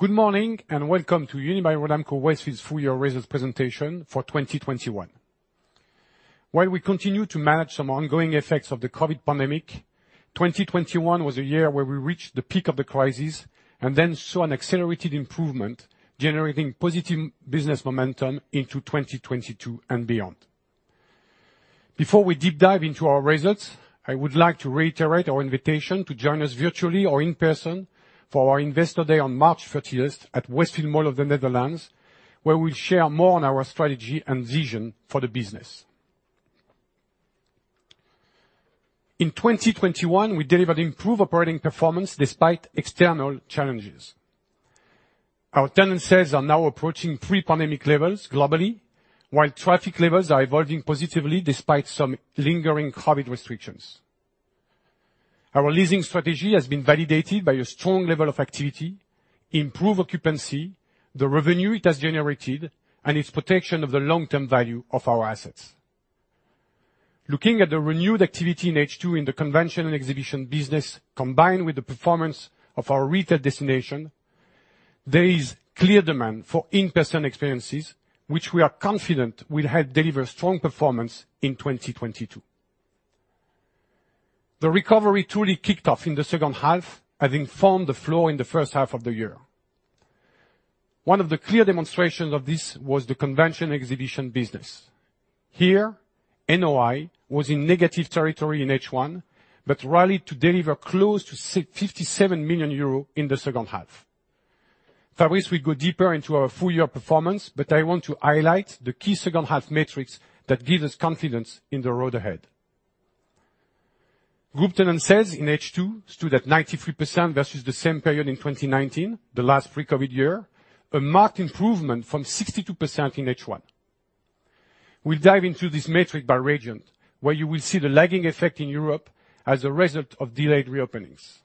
Good morning and welcome to Unibail-Rodamco-Westfield's Full-Year Results Presentation for 2021. While we continue to manage some ongoing effects of the COVID pandemic, 2021 was a year where we reached the peak of the crisis and then saw an accelerated improvement, generating positive business momentum into 2022 and beyond. Before we deep dive into our results, I would like to reiterate our invitation to join us virtually or in person for our Investor Day on March 30th at Westfield Mall of the Netherlands, where we share more on our strategy and vision for the business. In 2021, we delivered improved operating performance despite external challenges. Our tenant sales are now approaching pre-pandemic levels globally, while traffic levels are evolving positively despite some lingering COVID restrictions. Our leasing strategy has been validated by a strong level of activity, improved occupancy, the revenue it has generated, and its protection of the long-term value of our assets. Looking at the renewed activity in H2 in the convention and exhibition business, combined with the performance of our retail destination, there is clear demand for in-person experiences, which we are confident will help deliver strong performance in 2022. The recovery truly kicked off in the second half, having formed the low in the first half of the year. One of the clear demonstrations of this was the convention exhibition business. Here, NOI was in negative territory in H1, but rallied to deliver close to 57 million euro in the second half. Fabrice will go deeper into our full year performance, but I want to highlight the key second half metrics that give us confidence in the road ahead. Group tenant sales in H2 stood at 93% versus the same period in 2019, the last pre-COVID year, a marked improvement from 62% in H1. We'll dive into this metric by region, where you will see the lagging effect in Europe as a result of delayed reopenings.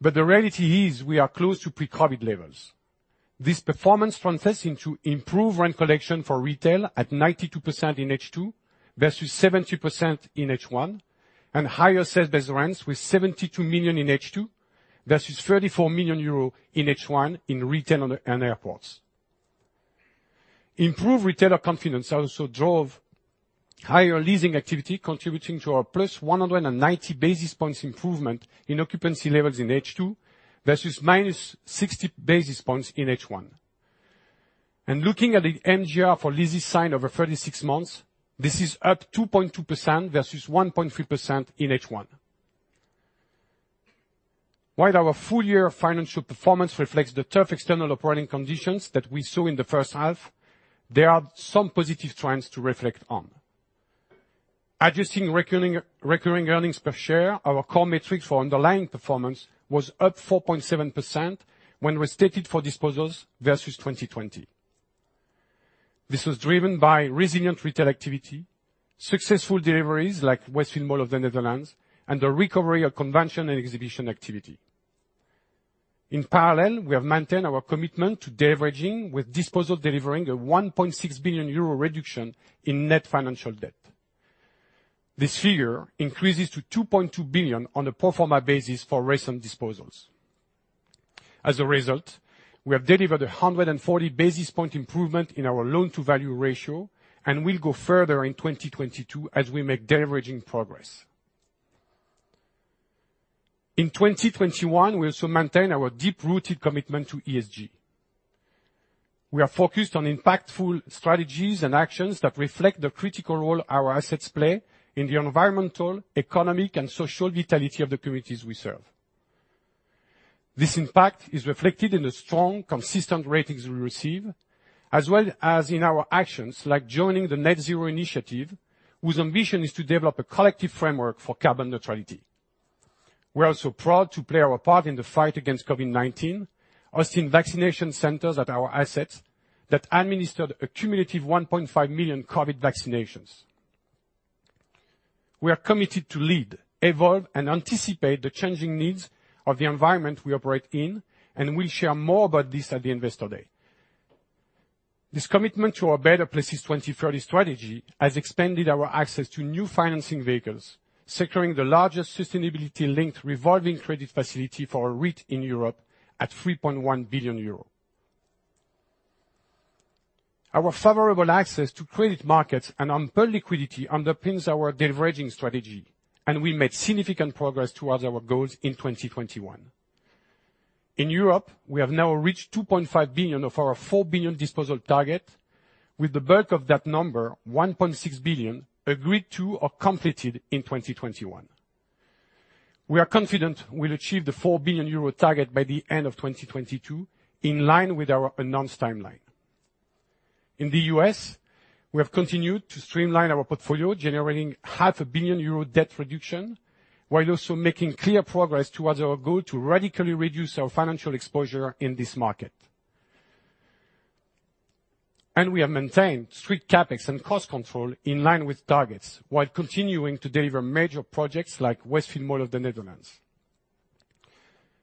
The reality is we are close to pre-COVID levels. This performance translates into improved rent collection for retail at 92% in H2, versus 70% in H1, and higher sales-based rents with 72 million in H2, versus 34 million euro in H1 in retail and airports. Improved retailer confidence also drove higher leasing activity, contributing to our +190 basis points improvement in occupancy levels in H2 versus -60 basis points in H1. Looking at the MGR for leases signed over 36 months, this is up 2.2% versus 1.3% in H1. While our full year financial performance reflects the tough external operating conditions that we saw in the first half, there are some positive trends to reflect on. Adjusted recurring earnings per share, our core metric for underlying performance, was up 4.7% when restated for disposals versus 2020. This was driven by resilient retail activity, successful deliveries like Westfield Mall of the Netherlands, and the recovery of convention and exhibition activity. In parallel, we have maintained our commitment to deleveraging with disposal delivering a 1.6 billion euro reduction in net financial debt. This figure increases to 2.2 billion on a pro forma basis for recent disposals. As a result, we have delivered a 140 basis points improvement in our loan to value ratio, and will go further in 2022 as we make deleveraging progress. In 2021, we also maintain our deep-rooted commitment to ESG. We are focused on impactful strategies and actions that reflect the critical role our assets play in the environmental, economic and social vitality of the communities we serve. This impact is reflected in the strong, consistent ratings we receive, as well as in our actions like joining the Net Zero Initiative, whose ambition is to develop a collective framework for carbon neutrality. We are also proud to play our part in the fight against COVID-19, hosting vaccination centers at our assets that administered a cumulative 1.5 million COVID vaccinations. We are committed to lead, evolve, and anticipate the changing needs of the environment we operate in, and we share more about this at the Investor Day. This commitment to our Better Places 2030 strategy has expanded our access to new financing vehicles, securing the largest sustainability-linked revolving credit facility for a REIT in Europe at 3.1 billion euros. Our favorable access to credit markets and unparalleled liquidity underpins our de-leveraging strategy, and we made significant progress towards our goals in 2021. In Europe, we have now reached 2.5 billion of our 4 billion disposal target with the bulk of that number, 1.6 billion, agreed to or completed in 2021. We are confident we'll achieve the 4 billion euro target by the end of 2022, in line with our announced timeline. In the U.S., we have continued to streamline our portfolio, generating half a billion euro debt reduction, while also making clear progress towards our goal to radically reduce our financial exposure in this market. We have maintained strict CapEx and cost control in line with targets, while continuing to deliver major projects like Westfield Mall of the Netherlands.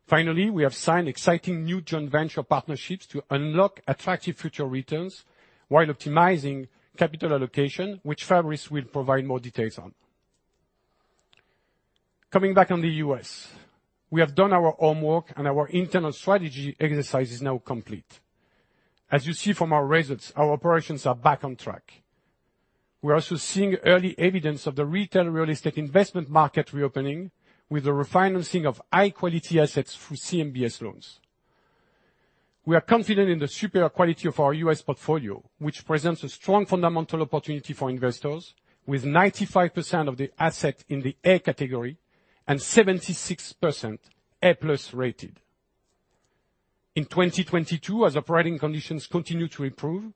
Finally, we have signed exciting new joint venture partnerships to unlock attractive future returns while optimizing capital allocation, which Fabrice will provide more details on. Coming back to the U.S. We have done our homework and our internal strategy exercise is now complete. As you see from our results, our operations are back on track. We are also seeing early evidence of the retail real estate investment market reopening with the refinancing of high-quality assets through CMBS loans. We are confident in the superior quality of our U.S. portfolio, which presents a strong fundamental opportunity for investors with 95% of the assets in the A category and 76% A+ rated. In 2022, as operating conditions continue to improve,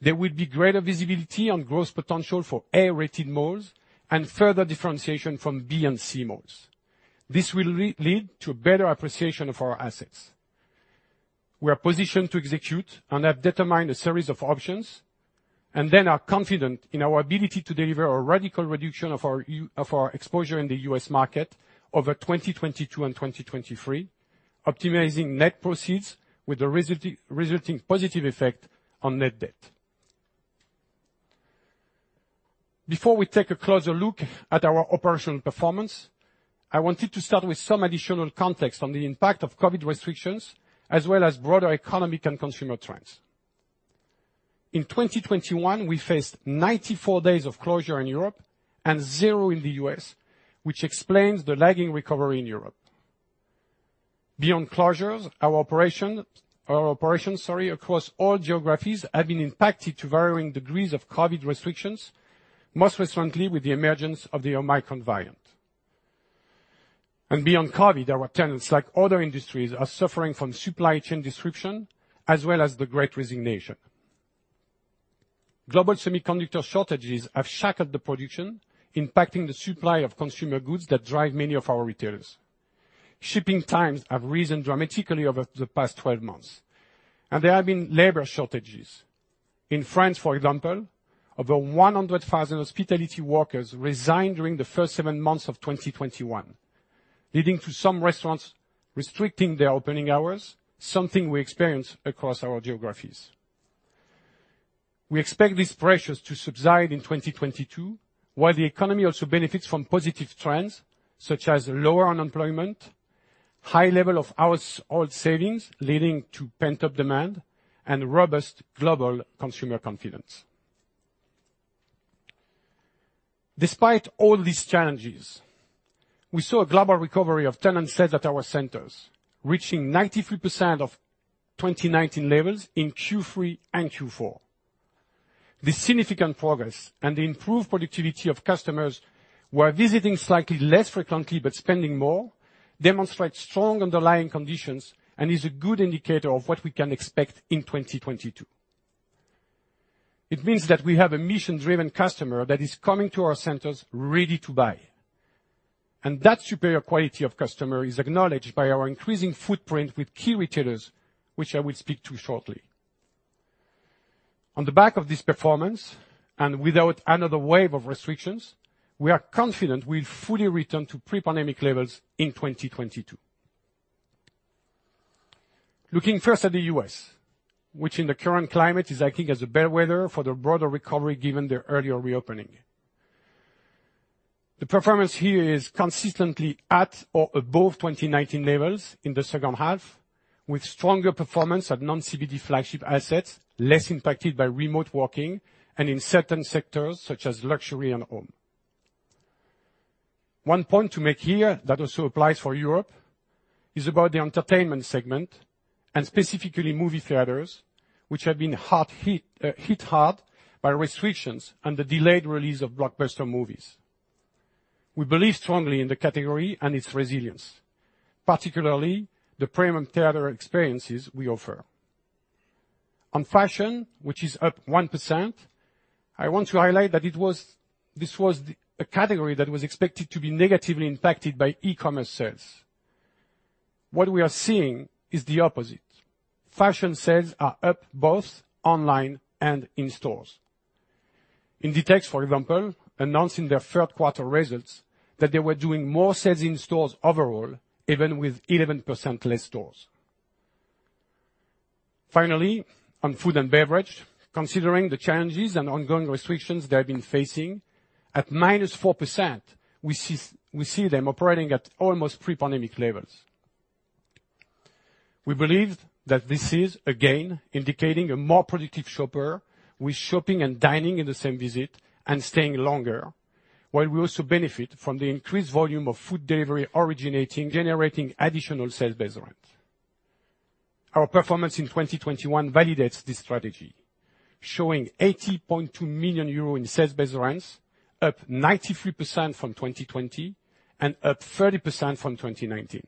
there will be greater visibility on growth potential for A-rated malls and further differentiation from B and C malls. This will lead to better appreciation of our assets. We are positioned to execute and have determined a series of options, and then are confident in our ability to deliver a radical reduction of our exposure in the U.S. market over 2022 and 2023, optimizing net proceeds with the resulting positive effect on net debt. Before we take a closer look at our operational performance, I wanted to start with some additional context on the impact of COVID restrictions as well as broader economic and consumer trends. In 2021, we faced 94 days of closure in Europe and zero in the U.S., which explains the lagging recovery in Europe. Beyond closures, our operations, sorry, across all geographies have been impacted to varying degrees of COVID restrictions, most recently with the emergence of the Omicron variant. Beyond COVID, our tenants, like other industries, are suffering from supply chain disruption as well as the great resignation. Global semiconductor shortages have shackled the production, impacting the supply of consumer goods that drive many of our retailers. Shipping times have risen dramatically over the past 12 months, and there have been labor shortages. In France, for example, over 100,000 hospitality workers resigned during the first seven months of 2021, leading to some restaurants restricting their opening hours, something we experience across our geographies. We expect these pressures to subside in 2022, while the economy also benefits from positive trends such as lower unemployment, high level of household savings, leading to pent-up demand and robust global consumer confidence. Despite all these challenges, we saw a global recovery of tenant sales at our centers, reaching 93% of 2019 levels in Q3 and Q4. This significant progress and the improved productivity of customers who are visiting slightly less frequently but spending more demonstrate strong underlying conditions and is a good indicator of what we can expect in 2022. It means that we have a mission-driven customer that is coming to our centers ready to buy. That superior quality of customer is acknowledged by our increasing footprint with key retailers, which I will speak to shortly. On the back of this performance and without another wave of restrictions, we are confident we will fully return to pre-pandemic levels in 2022. Looking first at the U.S., which in the current climate is acting as a better whether for the broader recovery given their earlier reopening. The performance here is consistently at or above 2019 levels in the second half, with stronger performance at non-CBD flagship assets, less impacted by remote working and in certain sectors such as luxury and home. One point to make here that also applies for Europe is about the entertainment segment and specifically movie theaters, which have been hit hard by restrictions and the delayed release of blockbuster movies. We believe strongly in the category and its resilience, particularly the premium theater experiences we offer. On fashion, which is up 1%, I want to highlight that this was a category that was expected to be negatively impacted by e-commerce sales. What we are seeing is the opposite. Fashion sales are up both online and in stores. Inditex, for example, announcing their third quarter results that they were doing more sales in stores overall, even with 11% less stores. Finally, on food and beverage, considering the challenges and ongoing restrictions they have been facing, at -4%, we see them operating at almost pre-pandemic levels. We believe that this is, again, indicating a more productive shopper with shopping and dining in the same visit and staying longer, while we also benefit from the increased volume of food delivery originating, generating additional sales based on it. Our performance in 2021 validates this strategy, showing 80.2 million euro in sales-based rents, up 93% from 2020 and up 30% from 2019.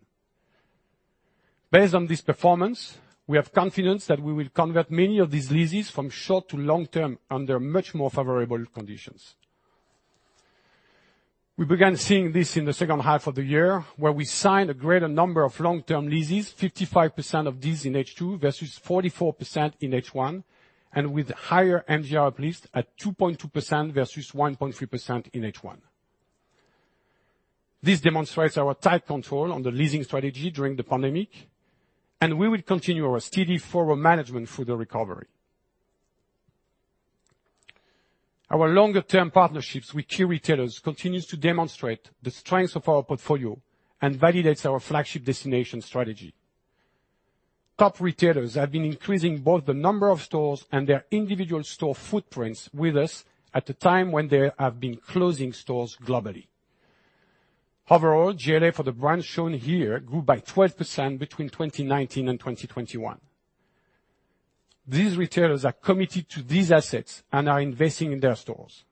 Based on this performance, we have confidence that we will convert many of these leases from short to long-term under much more favorable conditions. We began seeing this in the second half of the year, where we signed a greater number of long-term leases, 55% of these in H2 versus 44% in H1, and with higher MGR leased at 2.2% versus 1.3% in H1. This demonstrates our tight control on the leasing strategy during the pandemic, and we will continue our steady forward management through the recovery. Our longer term partnerships with key retailers continues to demonstrate the strengths of our portfolio and validates our flagship destination strategy. Top retailers have been increasing both the number of stores and their individual store footprints with us at the time when they have been closing stores globally. Overall, GLA for the brands shown here grew by 12% between 2019 and 2021. These retailers are committed to these assets and are investing in their stores.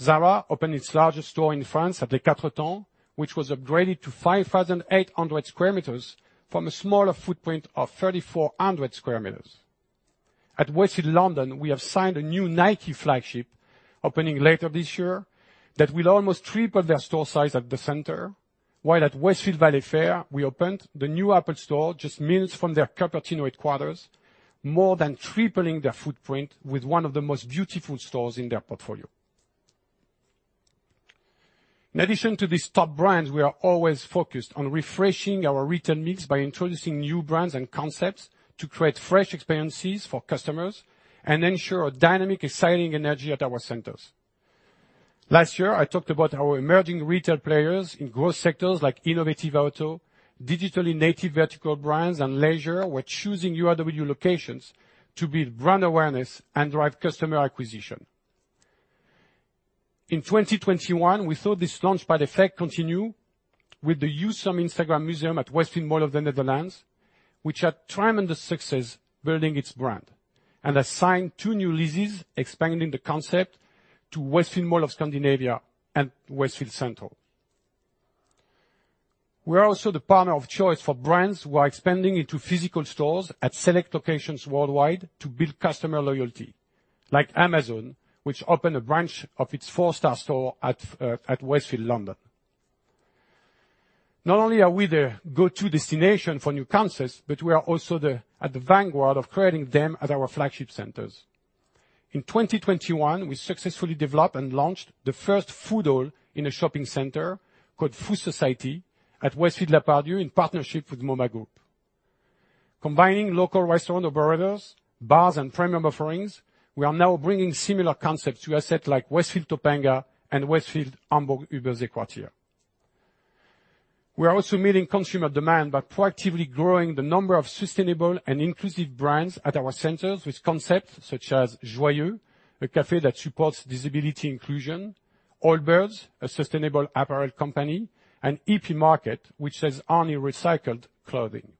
Zara opened its largest store in France at Les 4 Temps, which was upgraded to 5,800 sq m from a smaller footprint of 3,400 sq m. At Westfield London, we have signed a new Nike flagship opening later this year that will almost triple their store size at the center, while at Westfield Valley Fair, we opened the new Apple store just miles from their Cupertino headquarters, more than tripling their footprint with one of the most beautiful stores in their portfolio. In addition to these top brands, we are always focused on refreshing our retail mix by introducing new brands and concepts to create fresh experiences for customers and ensure a dynamic, exciting energy at our centers. Last year, I talked about our emerging retail players in growth sectors like innovative auto, digitally native vertical brands, and leisure were choosing URW locations to build brand awareness and drive customer acquisition. In 2021, we saw this launchpad effect continue with the Youseum Instagram Museum at Westfield Mall of the Netherlands, which had tremendous success building its brand and has signed two new leases, expanding the concept to Westfield Mall of Scandinavia and Westfield Centro. We are also the partner of choice for brands who are expanding into physical stores at select locations worldwide to build customer loyalty, like Amazon, which opened a branch of its four-star store at Westfield London. Not only are we the go-to destination for new concepts, but we are also at the vanguard of creating them at our flagship centers. In 2021, we successfully developed and launched the first food hall in a shopping center called Food Society at Westfield Les 4 Temps in partnership with Moma Group. Combining local restaurant operators, bars, and premium offerings, we are now bringing similar concepts to assets like Westfield Topanga and Westfield Hamburg-Überseequartier. We are also meeting consumer demand by proactively growing the number of sustainable and inclusive brands at our centers with concepts such as Joyeux, a cafe that supports disability inclusion, Allbirds, a sustainable apparel company, and EP Market, which sells only recycled clothing.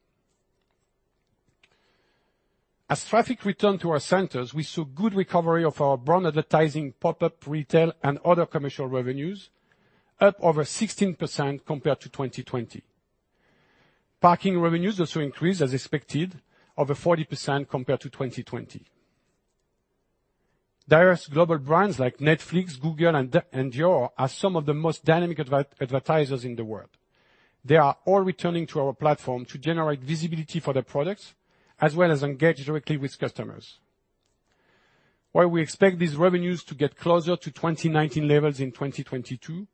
As traffic returned to our centers, we saw good recovery of our brand advertising, pop-up retail, and other commercial revenues, up over 16% compared to 2020. Parking revenues also increased as expected, over 40% compared to 2020. Diverse global brands like Netflix, Google, and Dior are some of the most dynamic advertisers in the world. They are all returning to our platform to generate visibility for their products, as well as engage directly with customers. While we expect these revenues to get closer to 2019 levels in 2022,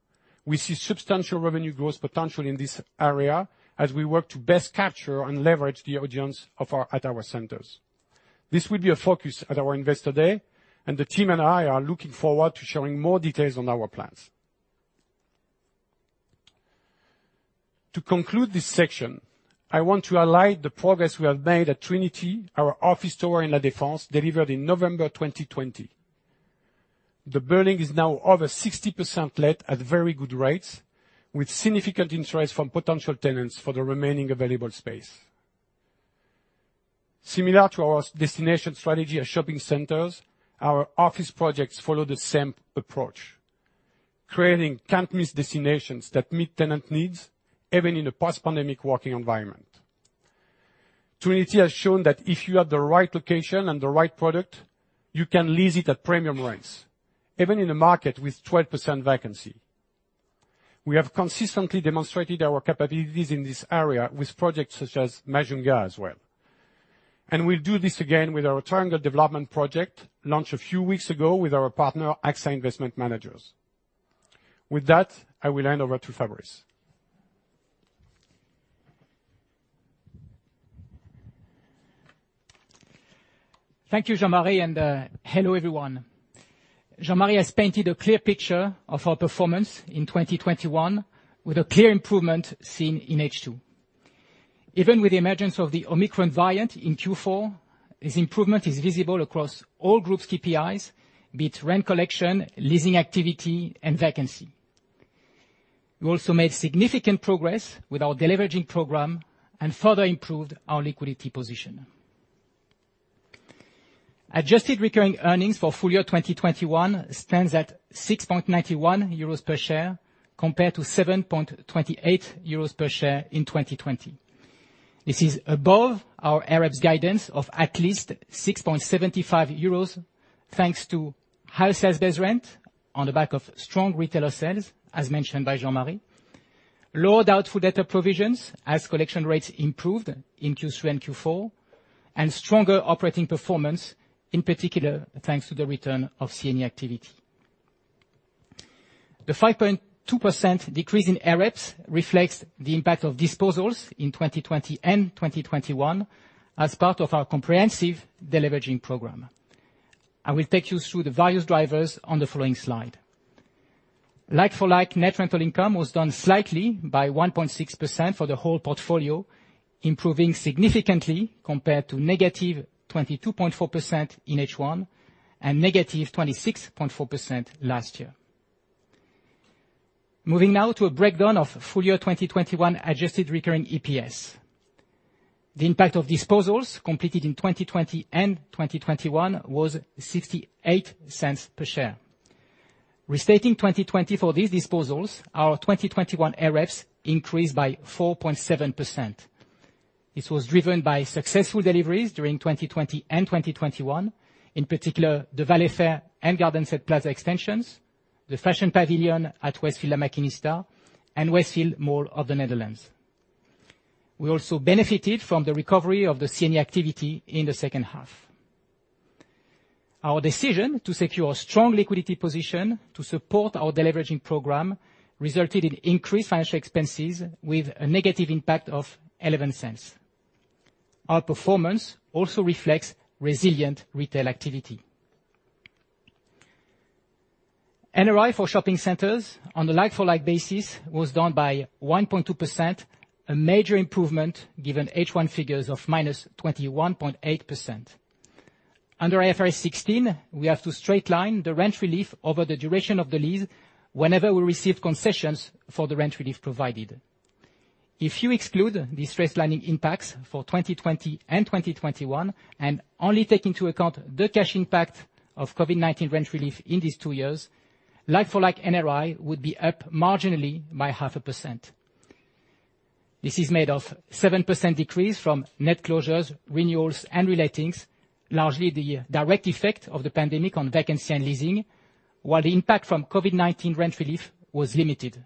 we see substantial revenue growth potential in this area as we work to best capture and leverage the audience at our centers. This will be a focus at our Investor Day, and the team and I are looking forward to showing more details on our plans. To conclude this section, I want to highlight the progress we have made at Trinity, our office tower in La Défense, delivered in November 2020. The building is now over 60% let at very good rates, with significant interest from potential tenants for the remaining available space. Similar to our destination strategy at shopping centers, our office projects follow the same approach, creating can't-miss destinations that meet tenant needs, even in a post-pandemic working environment. Trinity has shown that if you have the right location and the right product, you can lease it at premium rates, even in a market with 12% vacancy. We have consistently demonstrated our capabilities in this area with projects such as Majunga as well. We'll do this again with our Triangle development project, launched a few weeks ago with our partner, AXA Investment Managers. With that, I will hand over to Fabrice. Thank you, Jean-Marie, and hello, everyone. Jean-Marie has painted a clear picture of our performance in 2021 with a clear improvement seen in H2. Even with the emergence of the Omicron variant in Q4, this improvement is visible across all group KPIs, be it rent collection, leasing activity, and vacancy. We also made significant progress with our deleveraging program and further improved our liquidity position. Adjusted recurring earnings for full year 2021 stands at 6.91 euros per share compared to 7.28 euros per share in 2020. This is above our AREPS guidance of at least 6.75 euros, thanks to high sales-based rent on the back of strong retailer sales, as mentioned by Jean-Marie, lower doubtful debt provisions as collection rates improved in Q3 and Q4, and stronger operating performance, in particular, thanks to the return of C&E activity. The 5.2% decrease in AREPS reflects the impact of disposals in 2020 and 2021 as part of our comprehensive deleveraging program. I will take you through the various drivers on the following slide. Like-for-like net rental income was down slightly by 1.6% for the whole portfolio, improving significantly compared to -22.4% in H1 and -26.4% last year. Moving now to a breakdown of full year 2021 adjusted recurring EPS. The impact of disposals completed in 2020 and 2021 was 0.68 per share. Restating 2020 for these disposals, our 2021 AREPS increased by 4.7%. This was driven by successful deliveries during 2020 and 2021, in particular, the Valley Fair and Garden State Plaza extensions, the fashion pavilion at Westfield La Maquinista, and Westfield Mall of the Netherlands. We also benefited from the recovery of the C&E activity in the second half. Our decision to secure a strong liquidity position to support our deleveraging program resulted in increased financial expenses with a negative impact of 0.11. Our performance also reflects resilient retail activity. NRI for shopping centers on a like-for-like basis was down by 1.2%, a major improvement given H1 figures of -21.8%. Under IFRS 16, we have to straight-line the rent relief over the duration of the lease whenever we receive concessions for the rent relief provided. If you exclude the straight-lining impacts for 2020 and 2021, and only take into account the cash impact of COVID-19 rent relief in these two years, like-for-like NRI would be up marginally by 0.5%. This is made of 7% decrease from net closures, renewals, and relocations, largely the direct effect of the pandemic on vacancy and leasing, while the impact from COVID-19 rent relief was limited.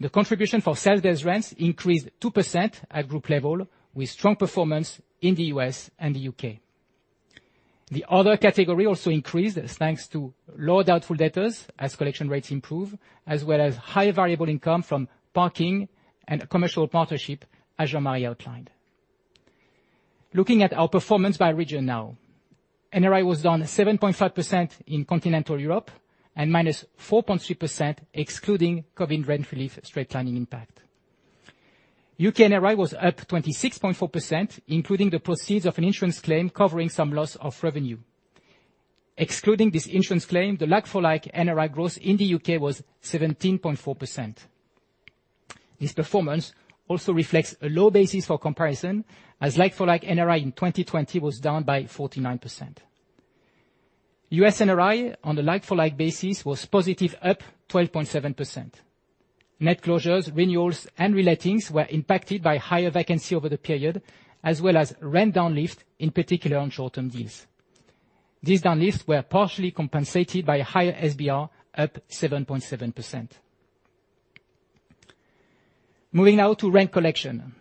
The contribution for sales-based rents increased 2% at group level, with strong performance in the U.S. and the U.K. The other category also increased thanks to lower doubtful debtors as collection rates improve, as well as high variable income from parking and commercial partnership, as Jean-Marie outlined. Looking at our performance by region now. NRI was down 7.5% in Continental Europe and -4.3% excluding COVID rent relief straight-lining impact. U.K. NRI was up 26.4%, including the proceeds of an insurance claim covering some loss of revenue. Excluding this insurance claim, the like-for-like NRI growth in the U.K. was 17.4%. This performance also reflects a low basis for comparison, as like-for-like NRI in 2020 was down by 49%. U.S. NRI on a like-for-like basis was positive, up 12.7%. Net closures, renewals, and relocations were impacted by higher vacancy over the period, as well as rent downlifts, in particular on short-term leases. These downlifts were partially compensated by higher SBR, up 7.7%. Moving now to rent collection.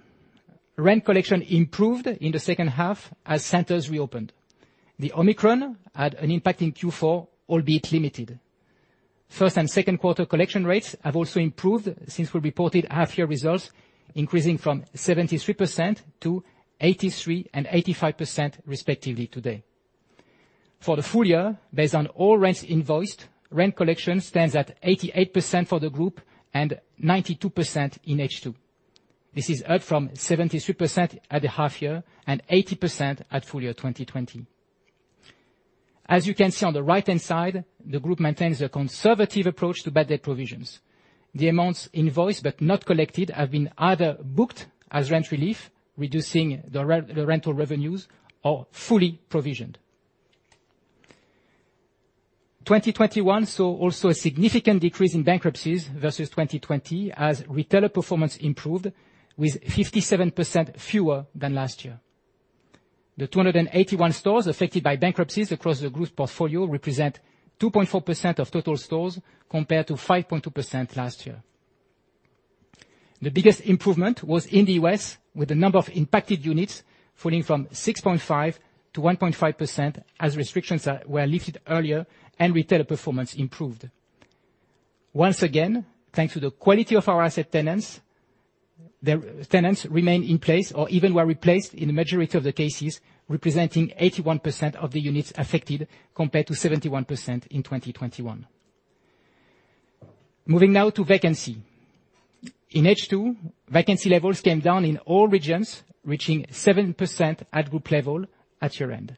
Rent collection improved in the second half as centers reopened. The Omicron had an impact in Q4, albeit limited. First and second quarter collection rates have also improved since we reported half year results, increasing from 73% to 83% and 85%, respectively today. For the full year, based on all rents invoiced, rent collection stands at 88% for the group and 92% in H2. This is up from 73% at the half year and 80% at full year 2020. As you can see on the right-hand side, the group maintains a conservative approach to bad debt provisions. The amounts invoiced but not collected have been either booked as rent relief, reducing the rental revenues or fully provisioned. 2021 saw also a significant decrease in bankruptcies versus 2020 as retailer performance improved with 57% fewer than last year. The 281 stores affected by bankruptcies across the group's portfolio represent 2.4% of total stores, compared to 5.2% last year. The biggest improvement was in the U.S., with the number of impacted units falling from 6.5% to 1.5% as restrictions were lifted earlier and retailer performance improved. Once again, thanks to the quality of our asset tenants, the tenants remained in place or even were replaced in the majority of the cases, representing 81% of the units affected, compared to 71% in 2021. Moving now to vacancy. In H2, vacancy levels came down in all regions, reaching 7% at group level at year-end.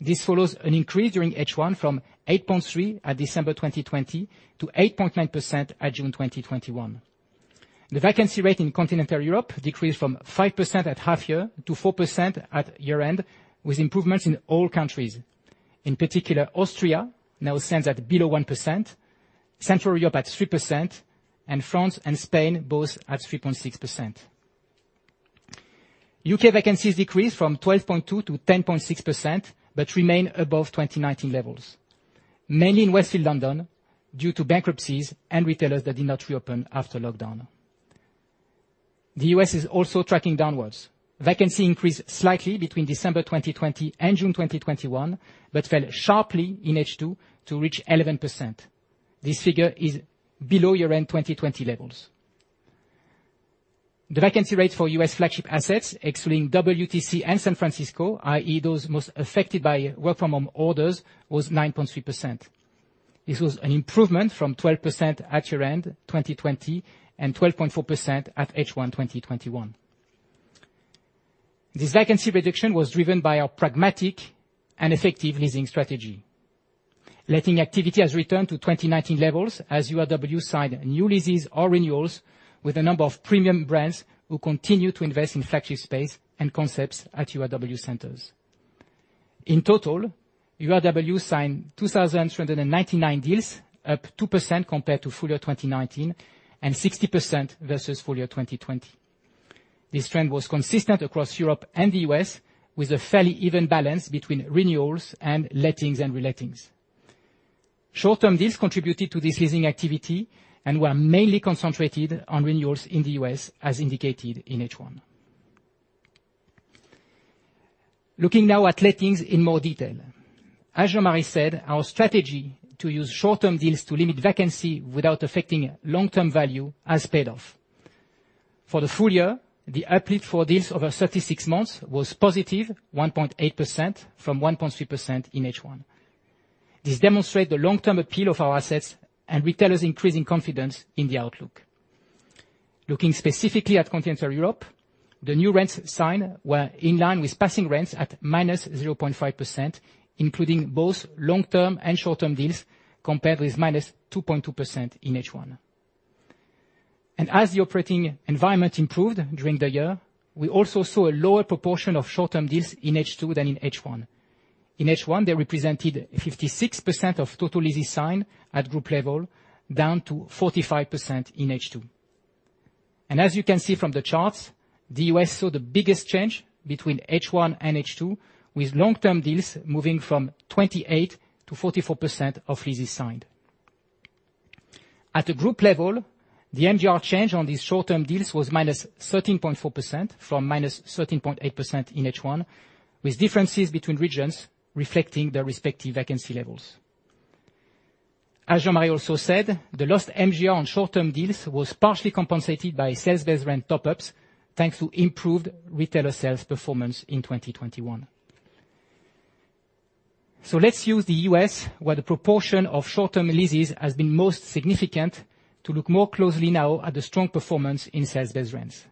This follows an increase during H1 from 8.3% at December 2020 to 8.9% at June 2021. The vacancy rate in Continental Europe decreased from 5% at half year to 4% at year-end, with improvements in all countries. In particular, Austria now stands at below 1%, Central Europe at 3%, and France and Spain both at 3.6%. U.K. vacancies decreased from 12.2% to 10.6%, but remain above 2019 levels, mainly in Westfield London due to bankruptcies and retailers that did not reopen after lockdown. The U.S. is also tracking downwards. Vacancy increased slightly between December 2020 and June 2021, but fell sharply in H2 to reach 11%. This figure is below year-end 2020 levels. The vacancy rate for U.S. flagship assets, excluding WTC and San Francisco, i.e., those most affected by work from home orders, was 9.3%. This was an improvement from 12% at year-end 2020 and 12.4% at H1 2021. This vacancy reduction was driven by our pragmatic and effective leasing strategy. Letting activity has returned to 2019 levels as URW signed new leases or renewals with a number of premium brands who continue to invest in flagship space and concepts at URW centers. In total, URW signed 2,399 deals, up 2% compared to full year 2019 and 60% versus full year 2020. This trend was consistent across Europe and the U.S., with a fairly even balance between renewals and lettings and relettings. Short-term deals contributed to this leasing activity and were mainly concentrated on renewals in the U.S., as indicated in H1. Looking now at lettings in more detail. As Jean-Marie said, our strategy to use short-term deals to limit vacancy without affecting long-term value has paid off. For the full year, the uplift for deals over 36 months was +1.8% from 1.3% in H1. This demonstrate the long-term appeal of our assets and retailers increasing confidence in the outlook. Looking specifically at Continental Europe, the new rents signed were in line with passing rents at -0.5%, including both long-term and short-term deals, compared with -2.2% in H1. As the operating environment improved during the year, we also saw a lower proportion of short-term deals in H2 than in H1. In H1, they represented 56% of total leases signed at group level, down to 45% in H2. As you can see from the charts, the U.S. saw the biggest change between H1 and H2, with long-term deals moving from 28%-44% of leases signed. At a group level, the MGR change on these short-term deals was -13.4% from -13.8% in H1, with differences between regions reflecting their respective vacancy levels. As Jean-Marie also said, the lost MGR on short-term deals was partially compensated by sales-based rent top-ups, thanks to improved retailer sales performance in 2021. Let's use the U.S., where the proportion of short-term leases has been most significant to look more closely now at the strong performance in sales-based rents.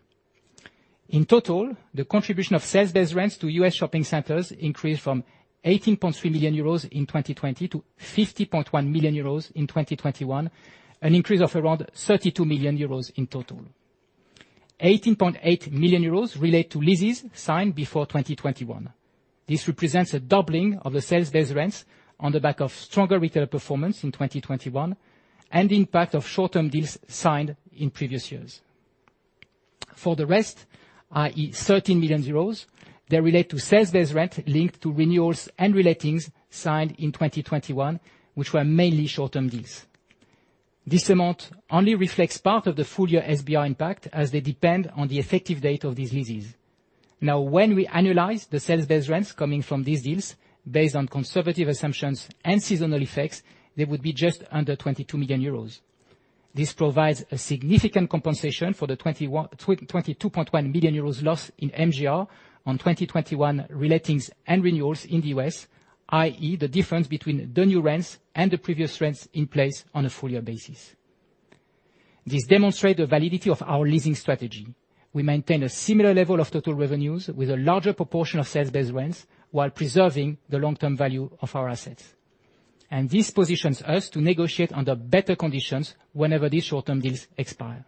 In total, the contribution of sales-based rents to U.S. shopping centers increased from 18.3 million euros in 2020 to 50.1 million euros in 2021, an increase of around 32 million euros in total. 18.8 million euros relate to leases signed before 2021. This represents a doubling of the sales-based rents on the back of stronger retail performance in 2021 and impact of short-term deals signed in previous years. For the rest, i.e., 13 million euros, they relate to sales-based rent linked to renewals and relettings signed in 2021, which were mainly short-term deals. This amount only reflects part of the full year SBR impact as they depend on the effective date of these leases. Now, when we annualize the sales-based rents coming from these deals based on conservative assumptions and seasonal effects, they would be just under 22 million euros. This provides a significant compensation for the 22.1 million euros loss in MGR on 2021 relettings and renewals in the U.S., i.e., the difference between the new rents and the previous rents in place on a full year basis. This demonstrates the validity of our leasing strategy. We maintain a similar level of total revenues with a larger proportion of sales-based rents while preserving the long-term value of our assets. This positions us to negotiate under better conditions whenever these short-term deals expire.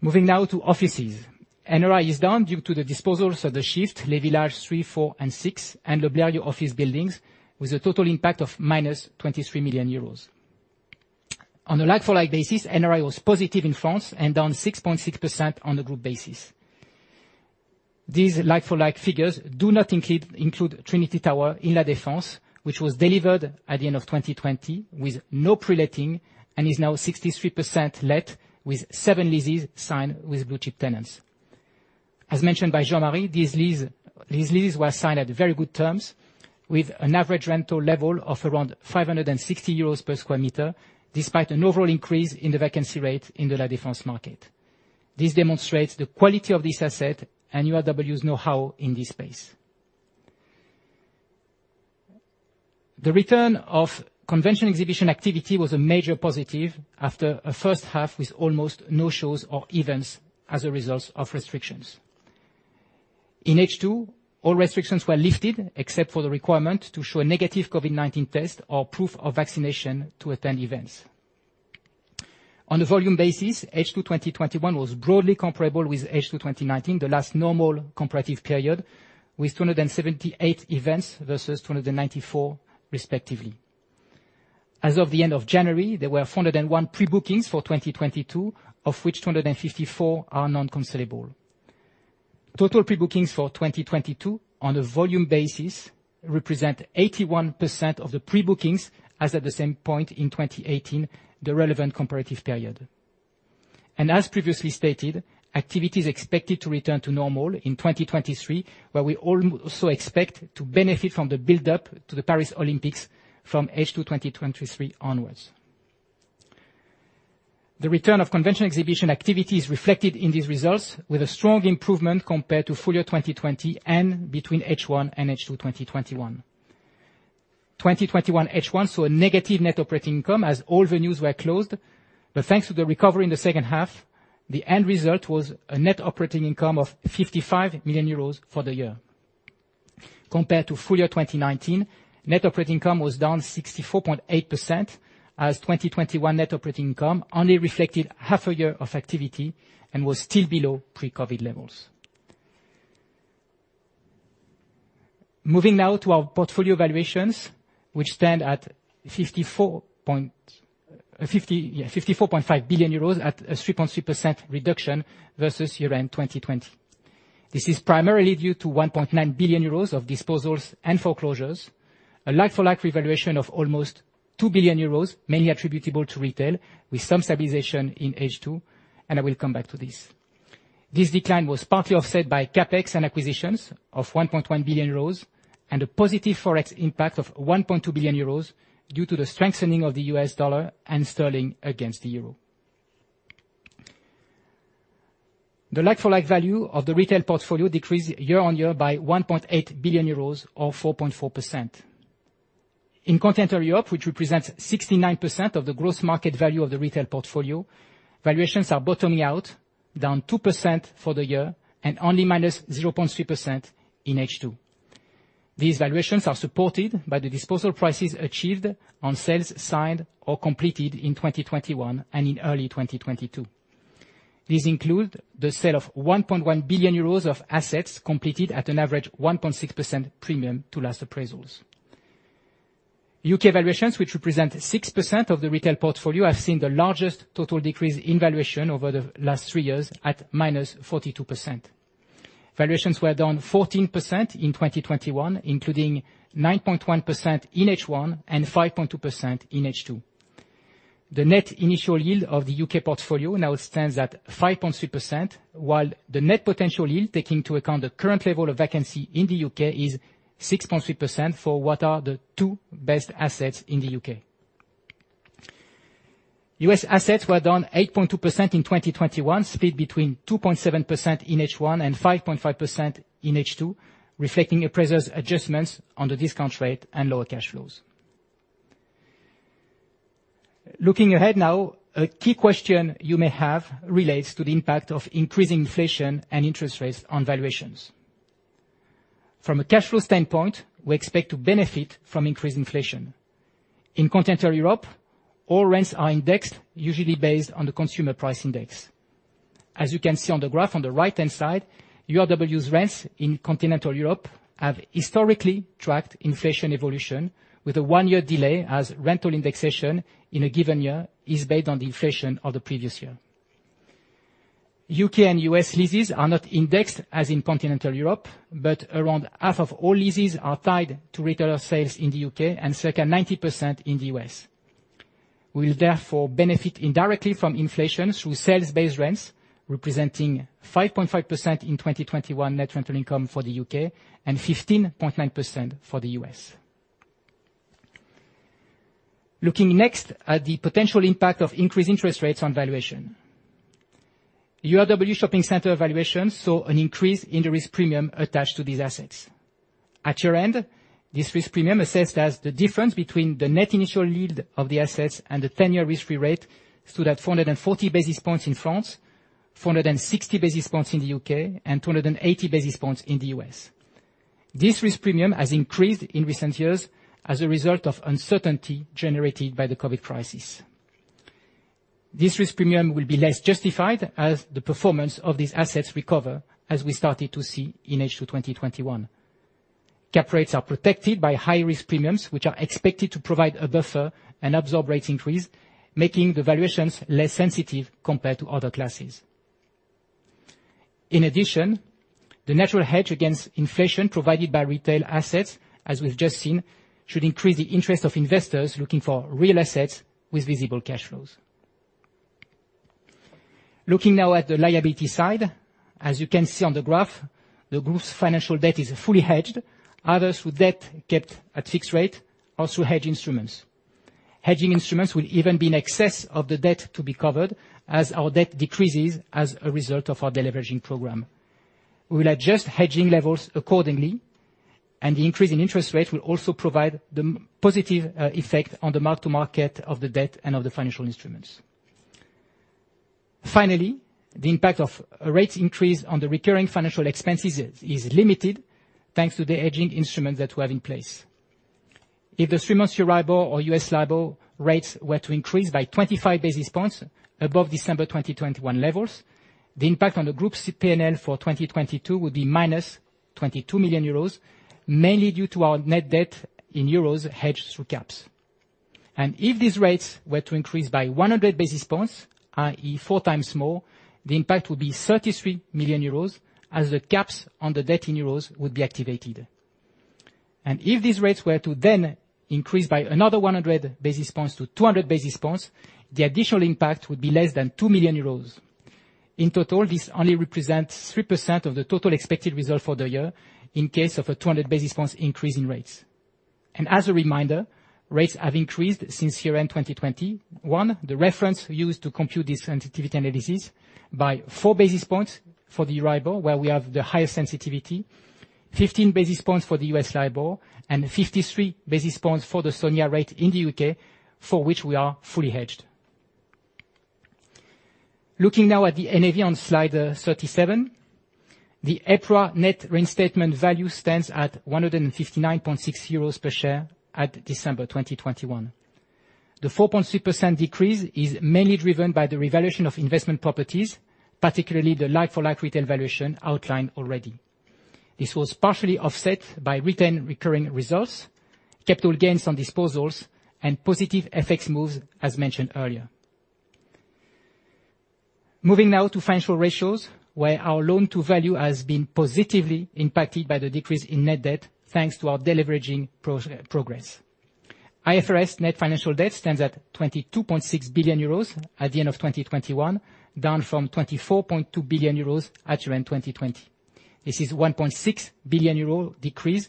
Moving now to offices. NRI is down due to the disposals of the SHiFT, Le Village 3, 4 and 6, and Le Blériot office buildings with a total impact of -23 million euros. On a like-for-like basis, NRI was positive in France and down 6.6% on the group basis. These like-for-like figures do not include Trinity Tower in La Défense, which was delivered at the end of 2020 with no pre-letting and is now 63% let with seven leases signed with blue-chip tenants. As mentioned by Jean-Marie, these leases were signed at very good terms with an average rental level of around 560 euros per sq m, despite an overall increase in the vacancy rate in the La Défense market. This demonstrates the quality of this asset and URW's know-how in this space. The return of convention exhibition activity was a major positive after a first half with almost no shows or events as a result of restrictions. In H2, all restrictions were lifted except for the requirement to show a negative COVID-19 test or proof of vaccination to attend events. On a volume basis, H2 2021 was broadly comparable with H2 2019, the last normal comparative period, with 278 events versus 294, respectively. As of the end of January, there were 401 pre-bookings for 2022, of which 254 are non-cancelable. Total prebookings for 2022 on a volume basis represent 81% of the pre-bookings as at the same point in 2018, the relevant comparative period. As previously stated, activity is expected to return to normal in 2023, where we also expect to benefit from the build-up to the Paris Olympics from H2 2023 onwards. The return of convention exhibition activity is reflected in these results with a strong improvement compared to full year 2020 and between H1 and H2 2021. 2021, H1 saw a negative net operating income as all venues were closed. Thanks to the recovery in the second half, the end result was a net operating income of 55 million euros for the year. Compared to full year 2019, net operating income was down 64.8% as 2021 net operating income only reflected half a year of activity and was still below pre-COVID levels. Moving now to our portfolio valuations, which stand at 54.5 billion euros at a 3.3% reduction versus year-end 2020. This is primarily due to 1.9 billion euros of disposals and foreclosures, a like-for-like revaluation of almost 2 billion euros, mainly attributable to retail, with some stabilization in H2, and I will come back to this. This decline was partly offset by CapEx and acquisitions of 1.1 billion euros and a positive Forex impact of 1.2 billion euros due to the strengthening of the U.S. dollar and sterling against the euro. The like-for-like value of the retail portfolio decreased year-on-year by 1.8 billion euros or 4.4%. In Continental Europe, which represents 69% of the gross market value of the retail portfolio, valuations are bottoming out, down 2% for the year and only -0.3% in H2. These valuations are supported by the disposal prices achieved on sales signed or completed in 2021 and in early 2022. These include the sale of 1.1 billion euros of assets completed at an average 1.6% premium to last appraisals. U.K. valuations, which represent 6% of the retail portfolio, have seen the largest total decrease in valuation over the last three years at -42%. Valuations were down 14% in 2021, including 9.1% in H1 and 5.2% in H2. The net initial yield of the U.K. portfolio now stands at 5.3%, while the net potential yield, taking into account the current level of vacancy in the U.K., is 6.3% for what are the two best assets in the U.K. U.S. assets were down 8.2% in 2021, split between 2.7% in H1 and 5.5% in H2, reflecting appraisers' adjustments on the discount rate and lower cash flows. Looking ahead now, a key question you may have relates to the impact of increasing inflation and interest rates on valuations. From a cash flow standpoint, we expect to benefit from increased inflation. In Continental Europe, all rents are indexed, usually based on the consumer price index. As you can see on the graph on the right-hand side, URW's rents in Continental Europe have historically tracked inflation evolution with a one-year delay as rental indexation in a given year is based on the inflation of the previous year. U.K. and U.S. leases are not indexed as in continental Europe, but around half of all leases are tied to retailer sales in the U.K. and circa 90% in the U.S. We will therefore benefit indirectly from inflation through sales-based rents, representing 5.5% in 2021 net rental income for the U.K. and 15.9% for the U.S. Looking next at the potential impact of increased interest rates on valuation. URW shopping center valuations saw an increase in the risk premium attached to these assets. At year-end, this risk premium assessed as the difference between the net initial yield of the assets and the 10-year risk-free rate stood at 440 basis points in France, 460 basis points in the U.K., and 280 basis points in the U.S. This risk premium has increased in recent years as a result of uncertainty generated by the COVID crisis. This risk premium will be less justified as the performance of these assets recover, as we started to see in H2 2021. Cap rates are protected by high-risk premiums, which are expected to provide a buffer and absorb rate increase, making the valuations less sensitive compared to other classes. In addition, the natural hedge against inflation provided by retail assets, as we've just seen, should increase the interest of investors looking for real assets with visible cash flows. Looking now at the liability side. As you can see on the graph, the group's financial debt is fully hedged. Others with debt kept at fixed rate also hedge instruments. Hedging instruments will even be in excess of the debt to be covered as our debt decreases as a result of our deleveraging program. We will adjust hedging levels accordingly, and the increase in interest rate will also provide the positive effect on the mark-to-market of the debt and of the financial instruments. Finally, the impact of a rate increase on the recurring financial expenses is limited thanks to the hedging instruments that we have in place. If the three-month Euribor or USD LIBOR rates were to increase by 25 basis points above December 2021 levels, the impact on the group's P&L for 2022 would be -22 million euros, mainly due to our net debt in euros hedged through caps. If these rates were to increase by 100 basis points, i.e., 4x more, the impact would be 33 million euros as the caps on the debt in euros would be activated. If these rates were to then increase by another 100 basis points to 200 basis points, the additional impact would be less than 2 million euros. In total, this only represents 3% of the total expected result for the year in case of a 200 basis points increase in rates. As a reminder, rates have increased since year-end 2020. One, the reference we use to compute this sensitivity analysis by four basis points for the Euribor, where we have the highest sensitivity, 15 basis points for the USD LIBOR, and 53 basis points for the SONIA rate in the U.K., for which we are fully hedged. Looking now at the NAV on slide 37, the EPRA net reinstatement value stands at 159.6 euros per share at December 2021. The 4.3% decrease is mainly driven by the revaluation of investment properties, particularly the like-for-like retail valuation outlined already. This was partially offset by retained recurring results, capital gains on disposals, and positive FX moves, as mentioned earlier. Moving now to financial ratios, where our loan-to-value has been positively impacted by the decrease in net debt, thanks to our deleveraging program. IFRS net financial debt stands at 22.6 billion euros at the end of 2021, down from 24.2 billion euros at year-end 2020. This is a 1.6 billion euros decrease,